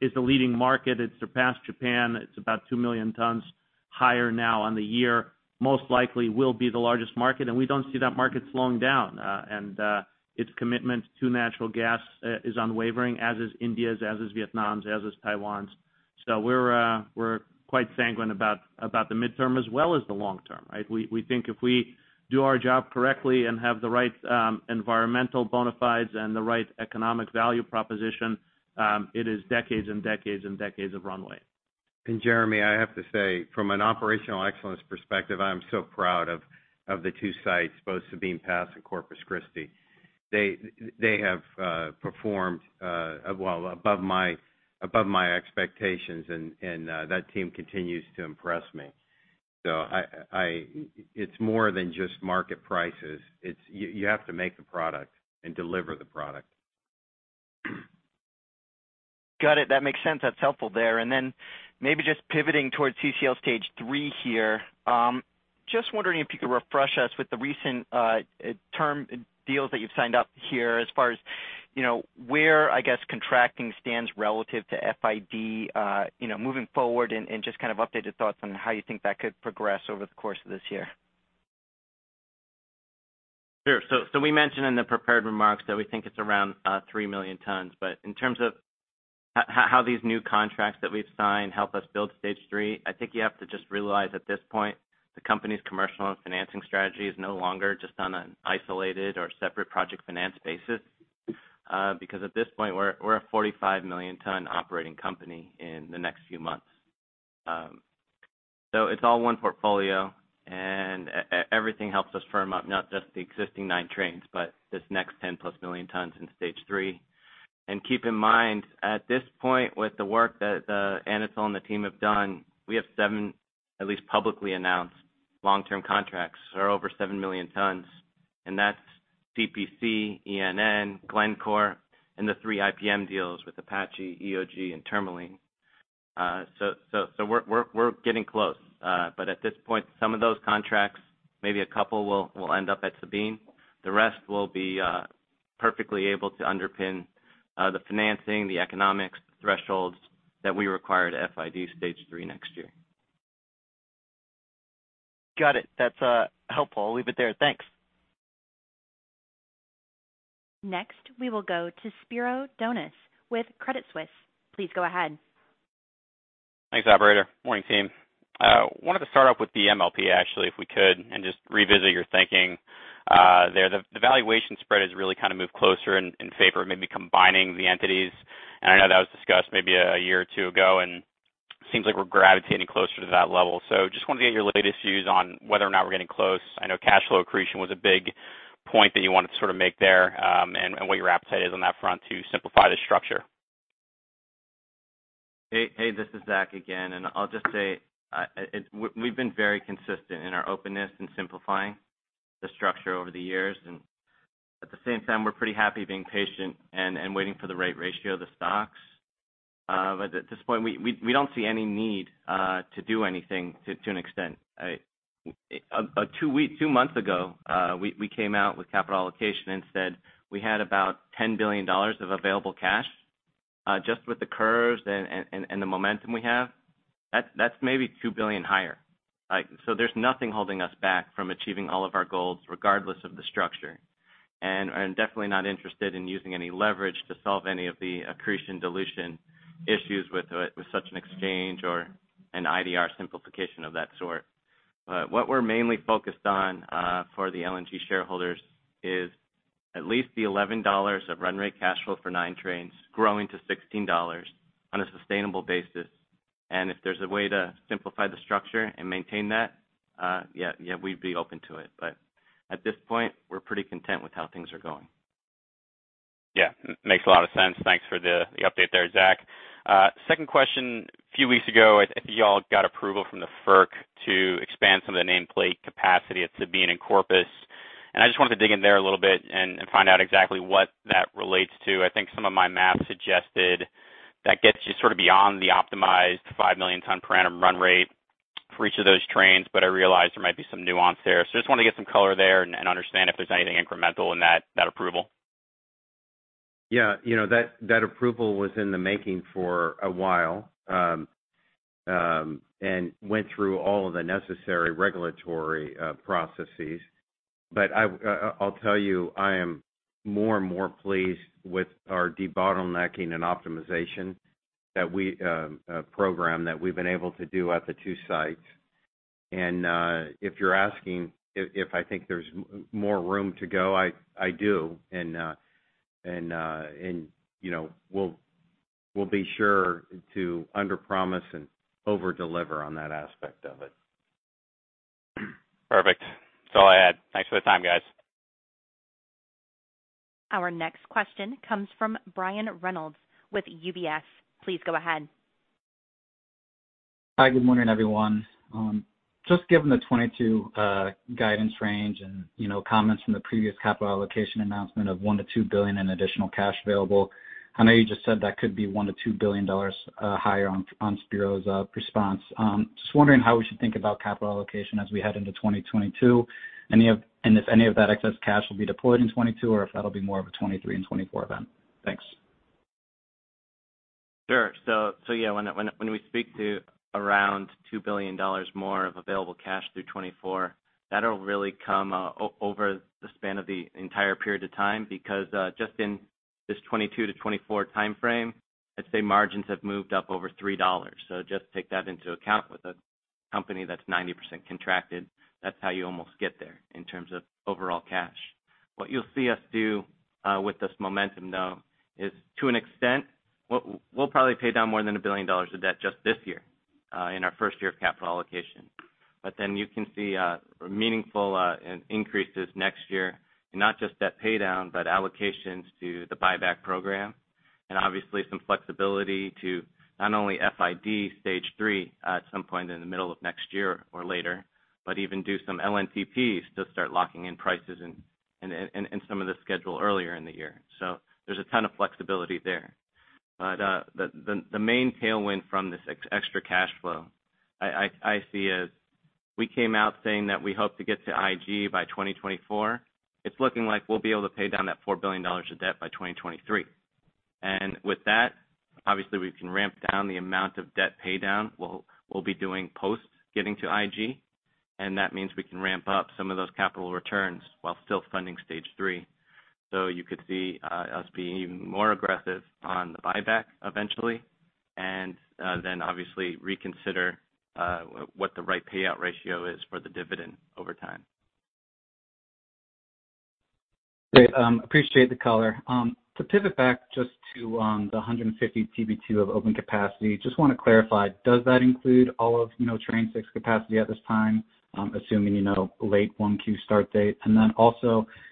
is the leading market. It's surpassed Japan. It's about 2 million tons higher now on the year, most likely will be the largest market, and we don't see that market slowing down. Its commitment to natural gas is unwavering, as is India's, as is Vietnam's, as is Taiwan's. We're quite sanguine about the midterm as well as the long term, right? We think if we do our job correctly and have the right environmental bona fides and the right economic value proposition, it is decades and decades and decades of runway. Jeremy, I have to say, from an operational excellence perspective, I am so proud of the two sites, both Sabine Pass and Corpus Christi. They have performed well above my expectations and that team continues to impress me. It's more than just market prices. It's you have to make the product and deliver the product. Got it. That makes sense. That's helpful there. Then maybe just pivoting towards CCL Stage 3 here. Just wondering if you could refresh us with the recent term deals that you've signed up here as far as, you know, where, I guess, contracting stands relative to FID, you know, moving forward and just kind of updated thoughts on how you think that could progress over the course of this year. Sure. We mentioned in the prepared remarks that we think it's around 3 million tons. In terms of how these new contracts that we've signed help us build Stage 3, I think you have to just realize at this point, the company's commercial and financing strategy is no longer just on an isolated or separate project finance basis. Because at this point, we're a 45 million ton operating company in the next few months. It's all one portfolio and everything helps us firm up not just the existing nine trains, but this next 10+ million tons in Stage 3. Keep in mind, at this point, with the work that Anatol and the team have done, we have at least seven publicly announced long-term contracts or over 7 million tons, and that's CPC, ENN, Glencore and the three IPM deals with Apache, EOG and Tourmaline. So we're getting close. But at this point, some of those contracts, maybe a couple will end up at Sabine. The rest will be perfectly able to underpin the financing, the economics thresholds that we require to FID stage three next year. Got it. That's helpful. I'll leave it there. Thanks. Next, we will go to Spiro Dounis with Credit Suisse. Please go ahead. Thanks, operator. Morning, team. Wanted to start off with the MLP, actually, if we could, and just revisit your thinking there. The valuation spread has really kind of moved closer in favor of maybe combining the entities. I know that was discussed maybe a year or two ago, and it seems like we're gravitating closer to that level. Just wanted to get your latest views on whether or not we're getting close. I know cash flow accretion was a big point that you wanted to sort of make there, and what your appetite is on that front to simplify the structure. Hey, hey, this is Zach again. I'll just say we've been very consistent in our openness in simplifying the structure over the years. At the same time, we're pretty happy being patient and waiting for the right ratio of the stocks. At this point, we don't see any need to do anything to an extent. Two months ago, we came out with capital allocation and said we had about $10 billion of available cash, just with the curves and the momentum we have. That's maybe $2 billion higher. Like, there's nothing holding us back from achieving all of our goals, regardless of the structure. I'm definitely not interested in using any leverage to solve any of the accretion dilution issues with such an exchange or an IDR simplification of that sort. What we're mainly focused on for the LNG shareholders is at least the $11 of run rate cash flow for 9 Trains growing to $16 on a sustainable basis. If there's a way to simplify the structure and maintain that, yeah, we'd be open to it. At this point, we're pretty content with how things are going. Yeah, makes a lot of sense. Thanks for the update there, Zach. Second question, a few weeks ago, I think you all got approval from the FERC to expand some of the nameplate capacity at Sabine in Corpus. I just wanted to dig in there a little bit and find out exactly what that relates to. I think some of my math suggested that gets you sort of beyond the optimized 5 million tons per annum run rate for each of those trains, but I realize there might be some nuance there. Just wanted to get some color there and understand if there's anything incremental in that approval. Yeah. You know, that approval was in the making for a while and went through all of the necessary regulatory processes. But I'll tell you, I am more and more pleased with our debottlenecking and optimization program that we've been able to do at the two sites. If you're asking if I think there's more room to go, I do. You know, we'll be sure to underpromise and overdeliver on that aspect of it. Perfect. That's all I had. Thanks for the time, guys. Our next question comes from Brian Reynolds with UBS. Please go ahead. Hi. Good morning, everyone. Just given the 2022 guidance range and, you know, comments from the previous capital allocation announcement of $1 billion-$2 billion in additional cash available. I know you just said that could be $1 billion-$2 billion higher on Spiro's response. Just wondering how we should think about capital allocation as we head into 2022 and if any of that excess cash will be deployed in 2022 or if that'll be more of a 2023 and 2024 event. Thanks. Sure. Yeah, when we speak to around $2 billion more of available cash through 2024, that'll really come over the span of the entire period of time, because just in this 2022 to 2024 timeframe, I'd say margins have moved up over $3. Just take that into account. With a company that's 90% contracted, that's how you almost get there in terms of overall cash. What you'll see us do with this momentum, though, is to an extent, we'll probably pay down more than $1 billion of debt just this year in our first year of capital allocation. You can see meaningful increases next year, not just debt pay down, but allocations to the buyback program and obviously some flexibility to not only FID Stage 3 at some point in the middle of next year or later, but even do some LNTPs to start locking in prices in some of the schedule earlier in the year. There's a ton of flexibility there. The main tailwind from this extra cash flow I see as we came out saying that we hope to get to IG by 2024. It's looking like we'll be able to pay down that $4 billion of debt by 2023. With that, obviously we can ramp down the amount of debt pay down we'll be doing post getting to IG, and that means we can ramp up some of those capital returns while still funding Stage 3. You could see us being even more aggressive on the buyback eventually, and then obviously reconsider what the right payout ratio is for the dividend over time. Great. Appreciate the color. To pivot back just to the 150 TBtu of open capacity, just wanna clarify, does that include all of, you know, Train 6 capacity at this time, assuming, you know, late 1Q start date?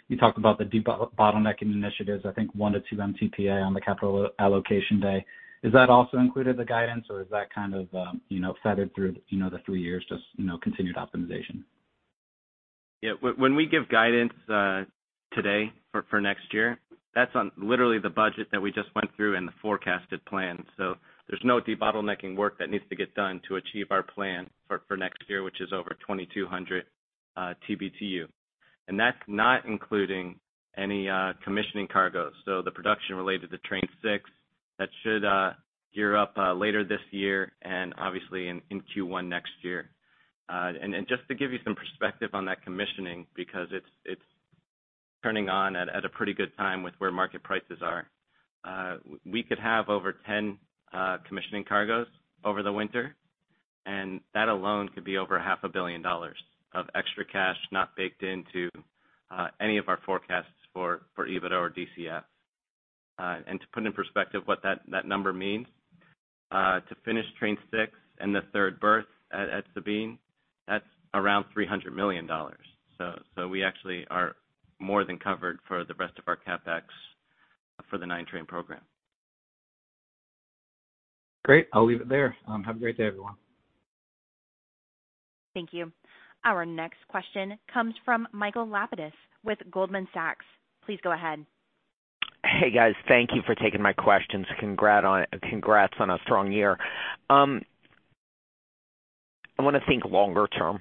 You talked about the debottlenecking initiatives, I think one to two MTPA on the Capital Allocation Day. Is that also included the guidance, or is that kind of, you know, factored through, you know, the three years, just, you know, continued optimization? Yeah. When we give guidance today for next year, that's on literally the budget that we just went through and the forecasted plan. There's no debottlenecking work that needs to get done to achieve our plan for next year, which is over 2,200 TBtu. And that's not including any commissioning cargoes. The production related to Train 6 that should gear up later this year and obviously in Q1 next year. Just to give you some perspective on that commissioning, because it's turning on at a pretty good time with where market prices are. We could have over 10 commissioning cargoes over the winter, and that alone could be over half a billion dollars of extra cash not baked into any of our forecasts for EBITDA or DCF. To put in perspective what that number means, to finish Train 6 and the third berth at Sabine, that's around $300 million. We actually are more than covered for the rest of our CapEx for the nine-train program. Great. I'll leave it there. Have a great day, everyone. Thank you. Our next question comes from Michael Lapides with Goldman Sachs. Please go ahead. Hey, guys. Thank you for taking my questions. Congrats on a strong year. I wanna think longer term,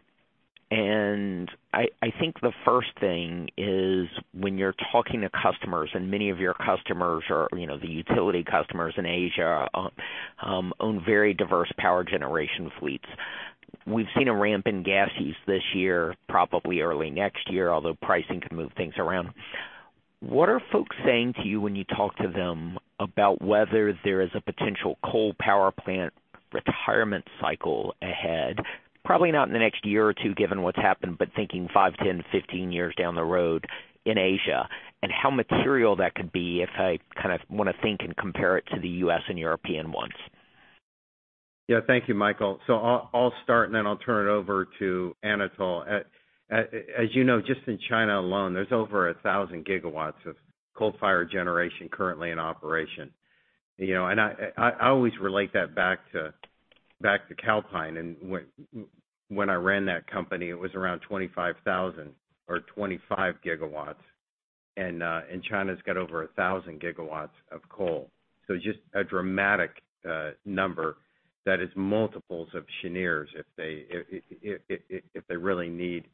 and I think the first thing is when you're talking to customers, and many of your customers are, you know, the utility customers in Asia own very diverse power generation fleets. We've seen a ramp in gas use this year, probably early next year, although pricing could move things around. What are folks saying to you when you talk to them about whether there is a potential coal power plant retirement cycle ahead? Probably not in the next year or two, given what's happened, but thinking five, 10, 15 years down the road in Asia, and how material that could be if I kind of wanna think and compare it to the U.S. and European ones. Yeah. Thank you, Michael. I'll start and then I'll turn it over to Anatol. As you know, just in China alone, there's over 1,000 GW of coal-fired generation currently in operation. You know, I always relate that back to Calpine and when I ran that company, it was around 25,000 or 25 GW, and China's got over 1,000 GW of coal. Just a dramatic number that is multiples of Cheniere's if they really need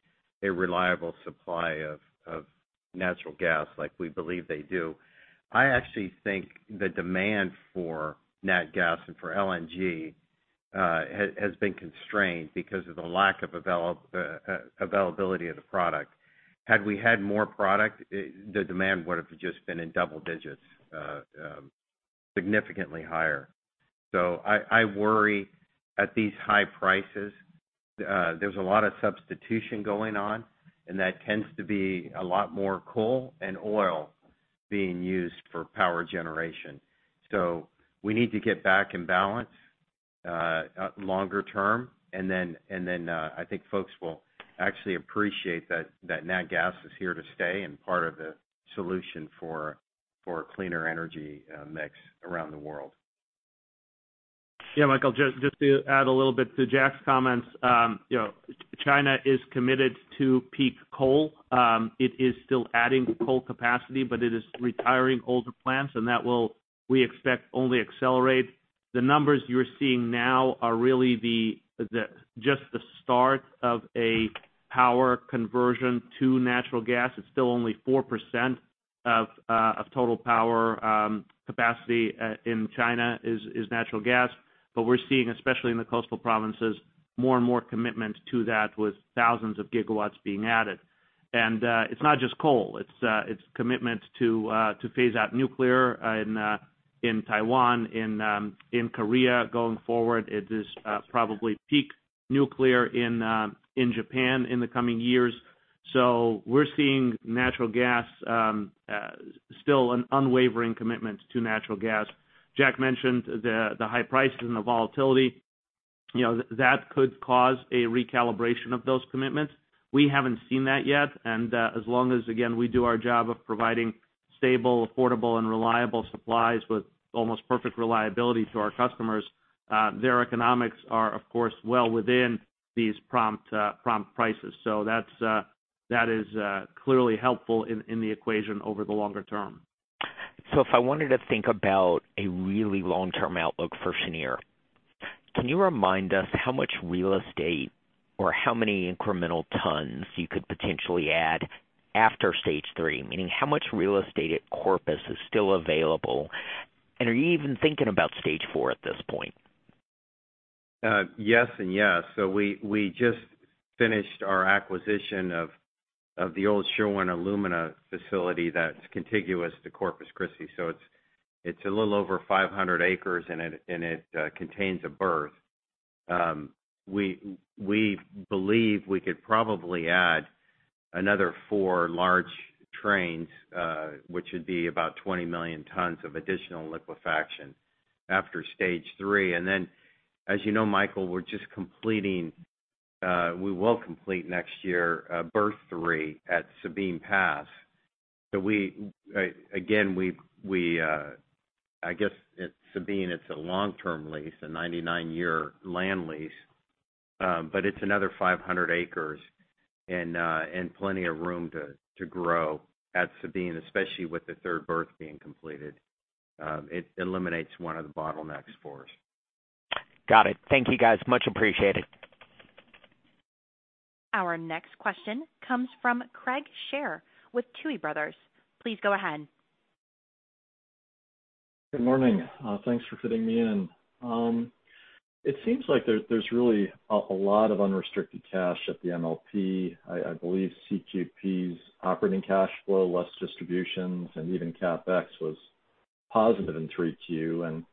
a reliable supply of natural gas like we believe they do. I actually think the demand for nat gas and for LNG has been constrained because of the lack of availability of the product. Had we had more product, the demand would have just been in double digits, significantly higher. I worry at these high prices, there's a lot of substitution going on, and that tends to be a lot more coal and oil being used for power generation. We need to get back in balance, longer term, and then I think folks will actually appreciate that nat gas is here to stay and part of the solution for a cleaner energy mix around the world. Yeah, Michael, just to add a little bit to Jack's comments. You know, China is committed to peak coal. It is still adding coal capacity, but it is retiring older plants, and that will, we expect, only accelerate. The numbers you're seeing now are really just the start of a power conversion to natural gas. It's still only 4% of total power capacity in China is natural gas. But we're seeing, especially in the coastal provinces, more and more commitment to that with thousands of gigawatts being added. It's not just coal, it's commitment to phase out nuclear in Taiwan, in Korea going forward. It is probably peak nuclear in Japan in the coming years. We're seeing natural gas, still an unwavering commitment to natural gas. Jack mentioned the high prices and the volatility, you know, that could cause a recalibration of those commitments. We haven't seen that yet. As long as, again, we do our job of providing stable, affordable, and reliable supplies with almost perfect reliability to our customers, their economics are, of course, well within these prompt prices. That is clearly helpful in the equation over the longer term. If I wanted to think about a really long-term outlook for Cheniere, can you remind us how much real estate or how many incremental tons you could potentially add after Stage 3? Meaning how much real estate at Corpus is still available, and are you even thinking about Stage 4 at this point? Yes and yes. We just finished our acquisition of the old Sherwin Alumina facility that's contiguous to Corpus Christi. It's a little over 500 acres, and it contains a berth. We believe we could probably add another four large trains, which would be about 20 million tons of additional liquefaction after Stage 3. Then, as you know, Michael, we will complete next year, berth three at Sabine Pass. We again, I guess at Sabine, it's a long-term lease, a 99-year land lease, but it's another 500 acres and plenty of room to grow at Sabine, especially with the third berth being completed. It eliminates one of the bottlenecks for us. Got it. Thank you, guys. Much appreciated. Our next question comes from Craig Shere with Tuohy Brothers. Please go ahead. Good morning. Thanks for fitting me in. It seems like there's really a lot of unrestricted cash at the MLP. I believe CQP's operating cash flow, less distributions, and even CapEx was positive in 3Q.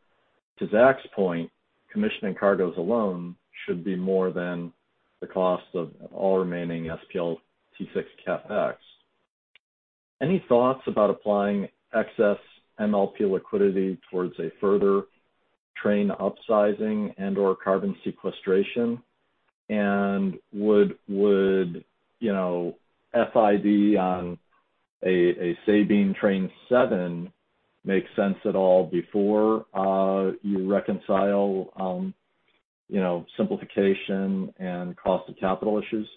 To Zach's point, commissioning cargoes alone should be more than the cost of all remaining SPL T6 CapEx. Any thoughts about applying excess MLP liquidity towards a further train upsizing and/or carbon sequestration? Would you know FID on a Sabine Train Seven make sense at all before you reconcile you know simplification and cost of capital issues?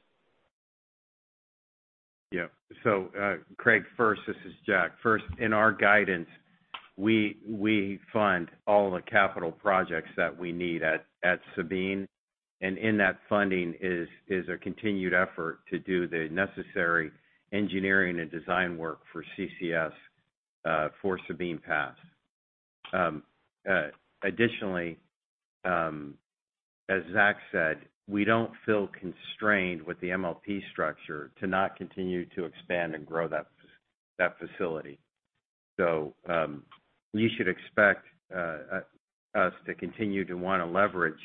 Craig, first, this is Jack. First, in our guidance, we fund all the capital projects that we need at Sabine. In that funding is a continued effort to do the necessary engineering and design work for CCS for Sabine Pass. Additionally, as Zach said, we don't feel constrained with the MLP structure to not continue to expand and grow that facility. You should expect us to continue to wanna leverage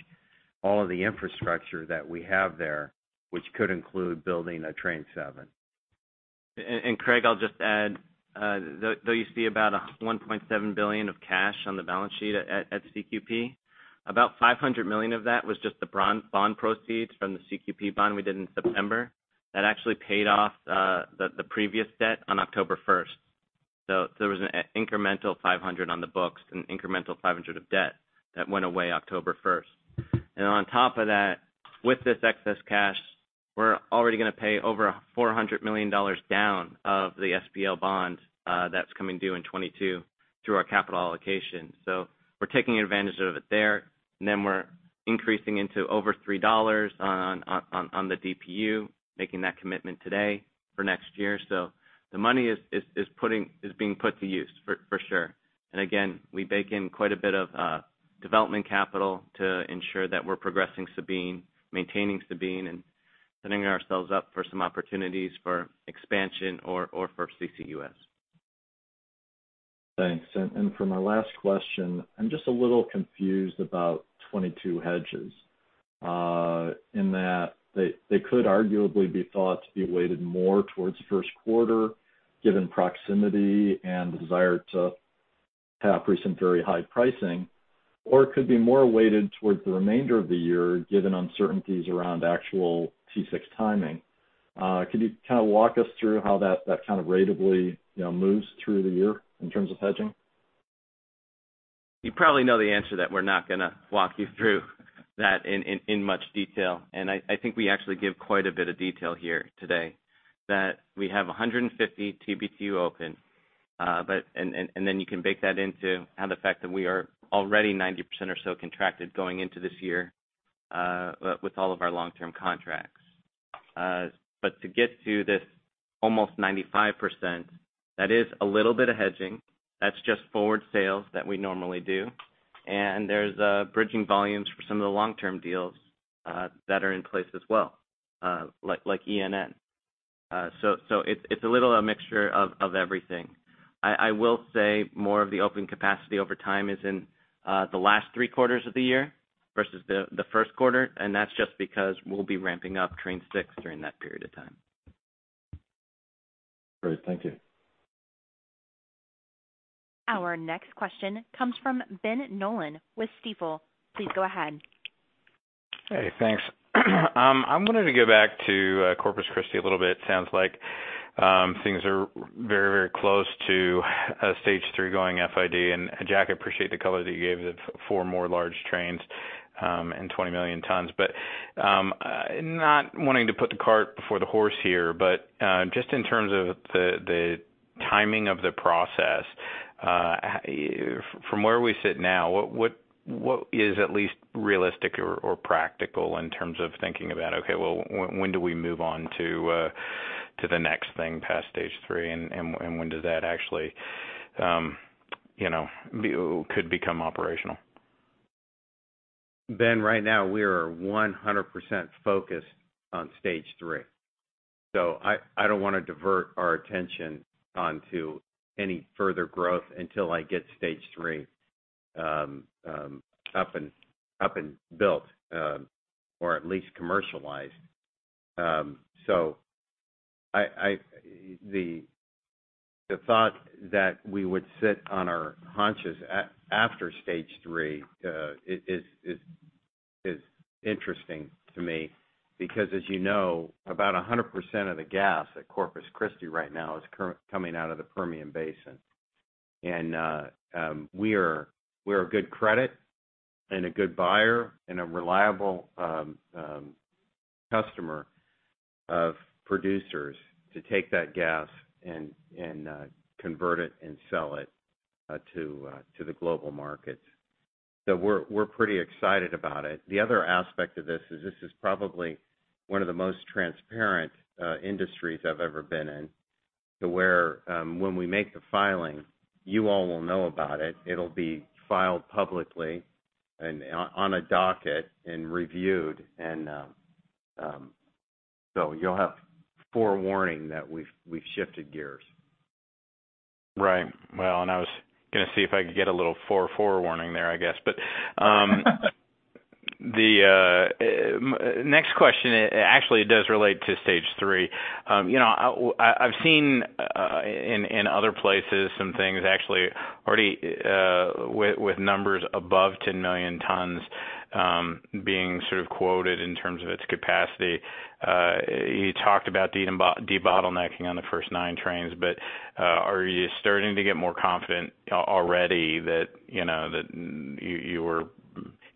all of the infrastructure that we have there, which could include building Train 7. Craig, I'll just add, though you see about $1.7 billion of cash on the balance sheet at CQP, about $500 million of that was just the bond proceeds from the CQP bond we did in September. That actually paid off the previous debt on October first. There was an incremental $500 million on the books, an incremental $500 million of debt that went away October first. On top of that, with this excess cash, we're already gonna pay over $400 million down of the SPL bond that's coming due in 2022 through our capital allocation. We're taking advantage of it there. Then we're increasing into over $3 on the DPU, making that commitment today for next year. The money is being put to use for sure. Again, we bake in quite a bit of development capital to ensure that we're progressing Sabine, maintaining Sabine, and setting ourselves up for some opportunities for expansion or for CCUS. Thanks. For my last question, I'm just a little confused about 2022 hedges, in that they could arguably be thought to be weighted more towards first quarter given proximity and desire to tap recent very high pricing, or it could be more weighted towards the remainder of the year given uncertainties around actual T6 timing. Could you kind of walk us through how that kind of ratably, you know, moves through the year in terms of hedging? You probably know the answer that we're not gonna walk you through that in much detail. I think we actually give quite a bit of detail here today that we have 150 TBtu open. Then you can bake that into the fact that we are already 90% or so contracted going into this year with all of our long-term contracts. To get to this almost 95%, that is a little bit of hedging. That's just forward sales that we normally do. There's bridging volumes for some of the long-term deals that are in place as well, like ENN. It's a little mixture of everything. I will say more of the open capacity over time is in the last three quarters of the year versus the first quarter, and that's just because we'll be ramping up Train 6 during that period of time. Great. Thank you. Our next question comes from Ben Nolan with Stifel. Please go ahead. Hey, thanks. I'm going to go back to Corpus Christi a little bit. Sounds like things are very, very close to a Stage 3 going FID. Jack, I appreciate the color that you gave the four more large trains and 20 million tons. But not wanting to put the cart before the horse here, just in terms of the timing of the process, from where we sit now, what is at least realistic or practical in terms of thinking about, okay, well, when do we move on to the next thing past Stage 3, and when does that actually, you know, could become operational? Ben, right now we are 100% focused on Stage 3. I don't wanna divert our attention onto any further growth until I get Stage 3 up and built or at least commercialized. The thought that we would sit on our haunches after Stage 3 is interesting to me because, as you know, about 100% of the gas at Corpus Christi right now is coming out of the Permian Basin. We're a good credit and a good buyer and a reliable customer of producers to take that gas and convert it and sell it to the global markets. We're pretty excited about it. The other aspect of this is this is probably one of the most transparent industries I've ever been in, to where, when we make the filing, you all will know about it. It'll be filed publicly and on a docket and reviewed. You'll have forewarning that we've shifted gears. Right. Well, I was gonna see if I could get a little forewarning there, I guess. The next question actually does relate to Stage 3. You know, I've seen in other places some things actually with numbers above 10 million tons being sort of quoted in terms of its capacity. You talked about debottlenecking on the first 9 Trains, but are you starting to get more confident already that, you know, that you were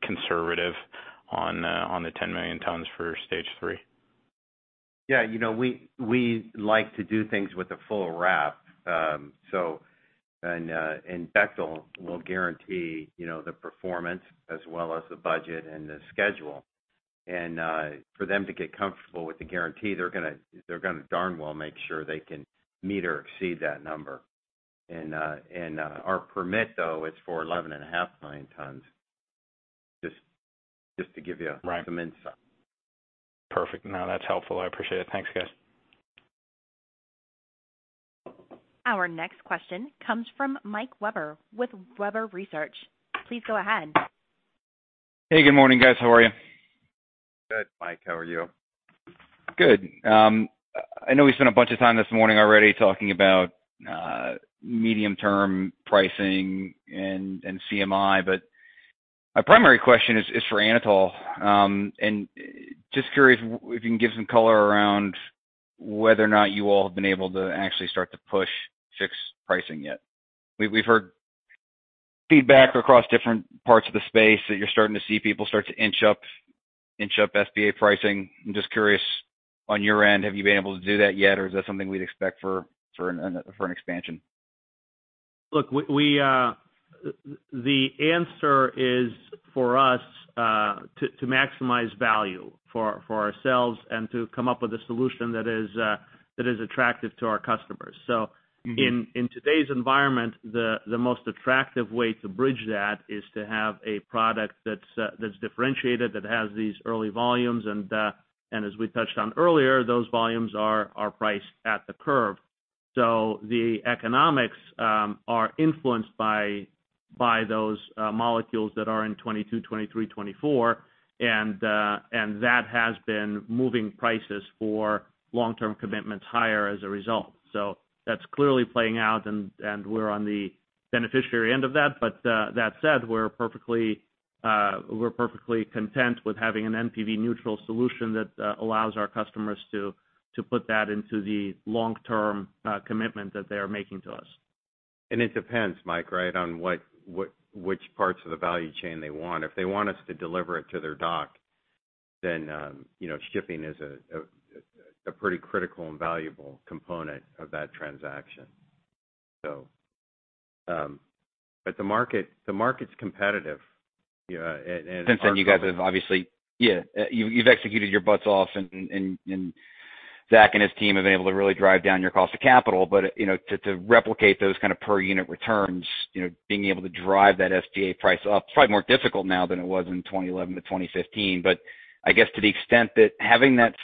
conservative on the 10 million tons for Stage 3? Yeah. You know, we like to do things with a full wrap. Bechtel will guarantee, you know, the performance as well as the budget and the schedule. Our permit, though, is for 11.5 million tons, just to give you- Right. Some insight. Perfect. No, that's helpful. I appreciate it. Thanks, guys. Our next question comes from Mike Webber with Webber Research. Please go ahead. Hey, good morning, guys. How are you? Good, Mike. How are you? Good. I know we spent a bunch of time this morning already talking about medium-term pricing and CMI, but my primary question is for Anatol. Just curious if you can give some color around whether or not you all have been able to actually start to push fixed pricing yet. We've heard feedback across different parts of the space that you're starting to see people start to inch up SPA pricing. I'm just curious, on your end, have you been able to do that yet, or is that something we'd expect for an expansion? The answer is for us to maximize value for ourselves and to come up with a solution that is attractive to our customers. In today's environment, the most attractive way to bridge that is to have a product that's differentiated, that has these early volumes. As we touched on earlier, those volumes are priced at the curve. The economics are influenced by those molecules that are in 2022, 2023, 2024. That has been moving prices for long-term commitments higher as a result. That's clearly playing out, and we're on the beneficiary end of that. That said, we're perfectly content with having an NPV neutral solution that allows our customers to put that into the long-term commitment that they are making to us. It depends, Mike, right, on which parts of the value chain they want. If they want us to deliver it to their dock, then shipping is a pretty critical and valuable component of that transaction. The market's competitive. Since then you guys have obviously. Yeah. You've executed your butts off and Zach and his team have been able to really drive down your cost of capital. You know, to replicate those kind of per unit returns, you know, being able to drive that SPA price up, it's probably more difficult now than it was in 2011-2015. I guess to the extent that having that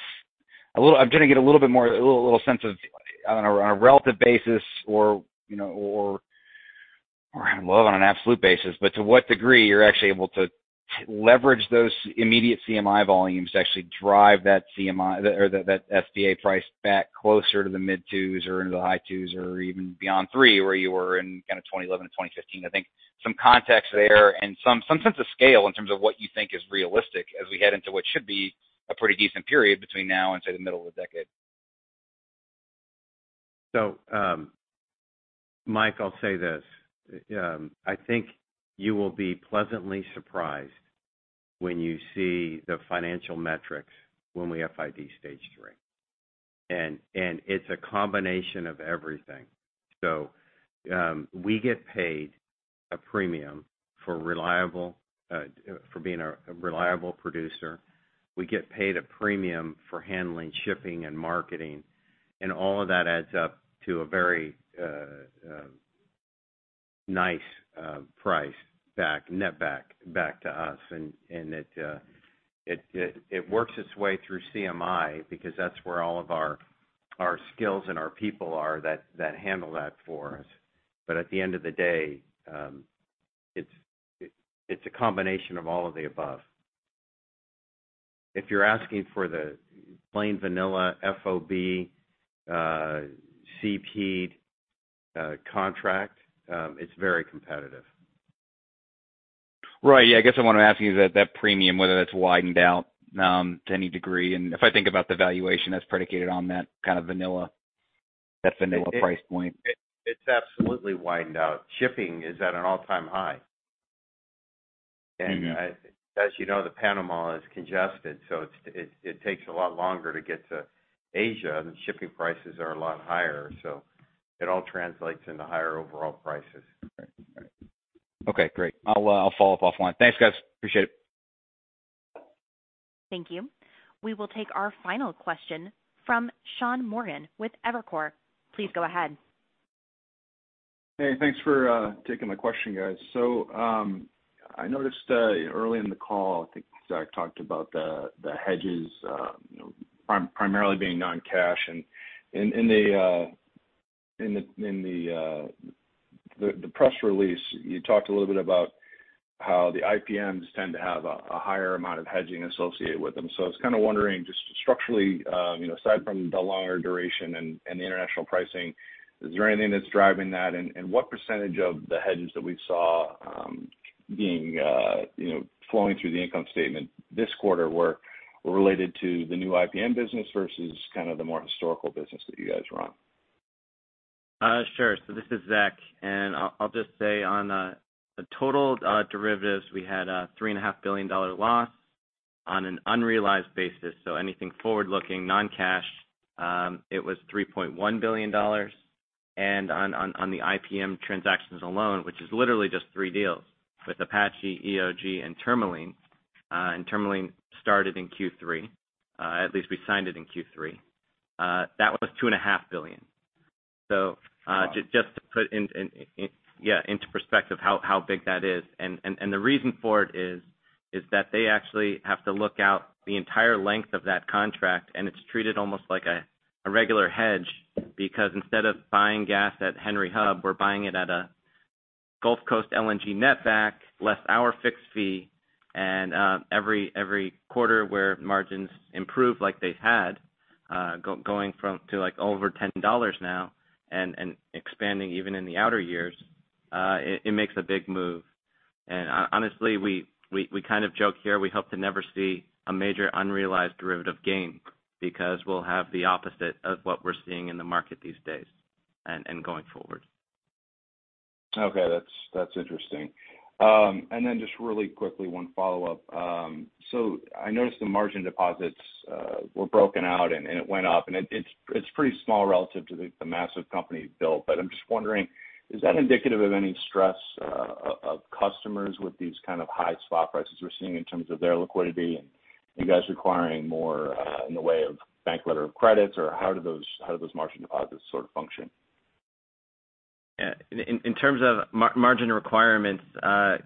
little—I'm trying to get a little bit more, a little sense of on a relative basis or, you know, well, on an absolute basis, but to what degree you're actually able to leverage those immediate CMI volumes to actually drive that CMI or that FOB price back closer to the mid-two's or into the high two's or even beyond three, where you were in kind of 2011 to 2015. I think some context there and some sense of scale in terms of what you think is realistic as we head into what should be a pretty decent period between now and, say, the middle of the decade. Mike, I'll say this. I think you will be pleasantly surprised when you see the financial metrics when we FID Stage 3. It's a combination of everything. We get paid a premium for reliable, for being a reliable producer. We get paid a premium for handling, shipping, and marketing, and all of that adds up to a very nice netback to us. It works its way through CMI because that's where all of our skills and our people are that handle that for us. At the end of the day, it's a combination of all of the above. If you're asking for the plain vanilla FOB CP contract, it's very competitive. Right. Yeah, I guess I want to ask you that premium, whether that's widened out to any degree. If I think about the valuation that's predicated on that kind of vanilla price point. It's absolutely widened out. Shipping is at an all-time high. As you know, the Panama is congested, so it takes a lot longer to get to Asia. The shipping prices are a lot higher, so it all translates into higher overall prices. Okay, great. I'll follow up offline. Thanks, guys. Appreciate it. Thank you. We will take our final question from Sean Morgan with Evercore. Please go ahead. Hey, thanks for taking the question, guys. I noticed early in the call, I think Zach talked about the hedges, you know, primarily being non-cash. In the press release, you talked a little bit about how the IPMs tend to have a higher amount of hedging associated with them. I was kind of wondering just structurally, you know, aside from the longer duration and the international pricing, is there anything that's driving that? What percentage of the hedges that we saw, you know, flowing through the income statement this quarter were related to the new IPM business versus kind of the more historical business that you guys were on? Sure. This is Zach, and I'll just say on the total derivatives, we had a $3.5 billion loss on an unrealized basis. Anything forward-looking, non-cash, it was $3.1 billion. On the IPM transactions alone, which is literally just three deals with Apache, EOG and Tourmaline, and Tourmaline started in Q3, at least we signed it in Q3. That was $2.5 billion. Just to put into perspective how big that is. The reason for it is that they actually have to look out the entire length of that contract, and it's treated almost like a regular hedge because instead of buying gas at Henry Hub, we're buying it at a Gulf Coast LNG netback, less our fixed fee. Every quarter where margins improve like they've had, going from two to like over $10 now and expanding even in the outer years, it makes a big move. Honestly, we kind of joke here. We hope to never see a major unrealized derivative gain because we'll have the opposite of what we're seeing in the market these days and going forward. Okay. That's interesting. Just really quickly, one follow-up. I noticed the margin deposits were broken out and it went up. It's pretty small relative to the massive company built. I'm just wondering, is that indicative of any stress of customers with these kind of high spot prices we're seeing in terms of their liquidity and you guys requiring more in the way of bank letters of credit? How do those margin deposits sort of function? Yeah. In terms of margin requirements,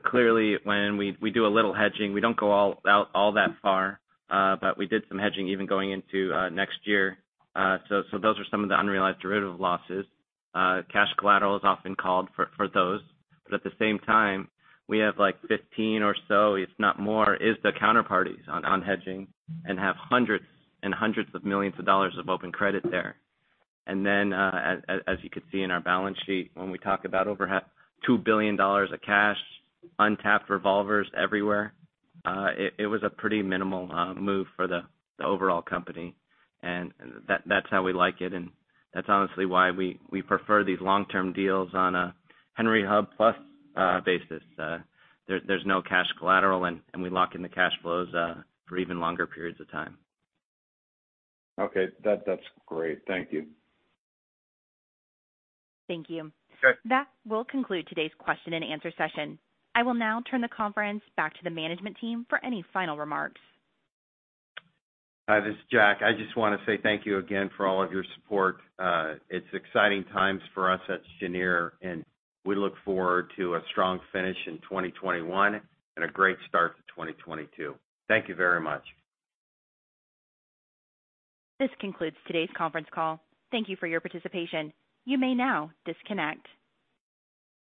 clearly when we do a little hedging. We don't go all out, all that far, but we did some hedging even going into next year. So those are some of the unrealized derivative losses. Cash collateral is often called for those. But at the same time, we have like 15 or so, if not more, counterparties on hedging and have hundreds and hundreds of millions of dollars of open credit there. As you can see in our balance sheet, when we talk about over $2 billion of cash, untapped revolvers everywhere, it was a pretty minimal move for the overall company. That's how we like it, and that's honestly why we prefer these long-term deals on a Henry Hub plus basis. There's no cash collateral, and we lock in the cash flows for even longer periods of time. Okay. That, that's great. Thank you. Thank you. Okay. That will conclude today's question and answer session. I will now turn the conference back to the management team for any final remarks. Hi, this is Jack. I just wanna say thank you again for all of your support. It's exciting times for us at Cheniere, and we look forward to a strong finish in 2021 and a great start to 2022. Thank you very much. This concludes today's conference call. Thank you for your participation. You may now disconnect.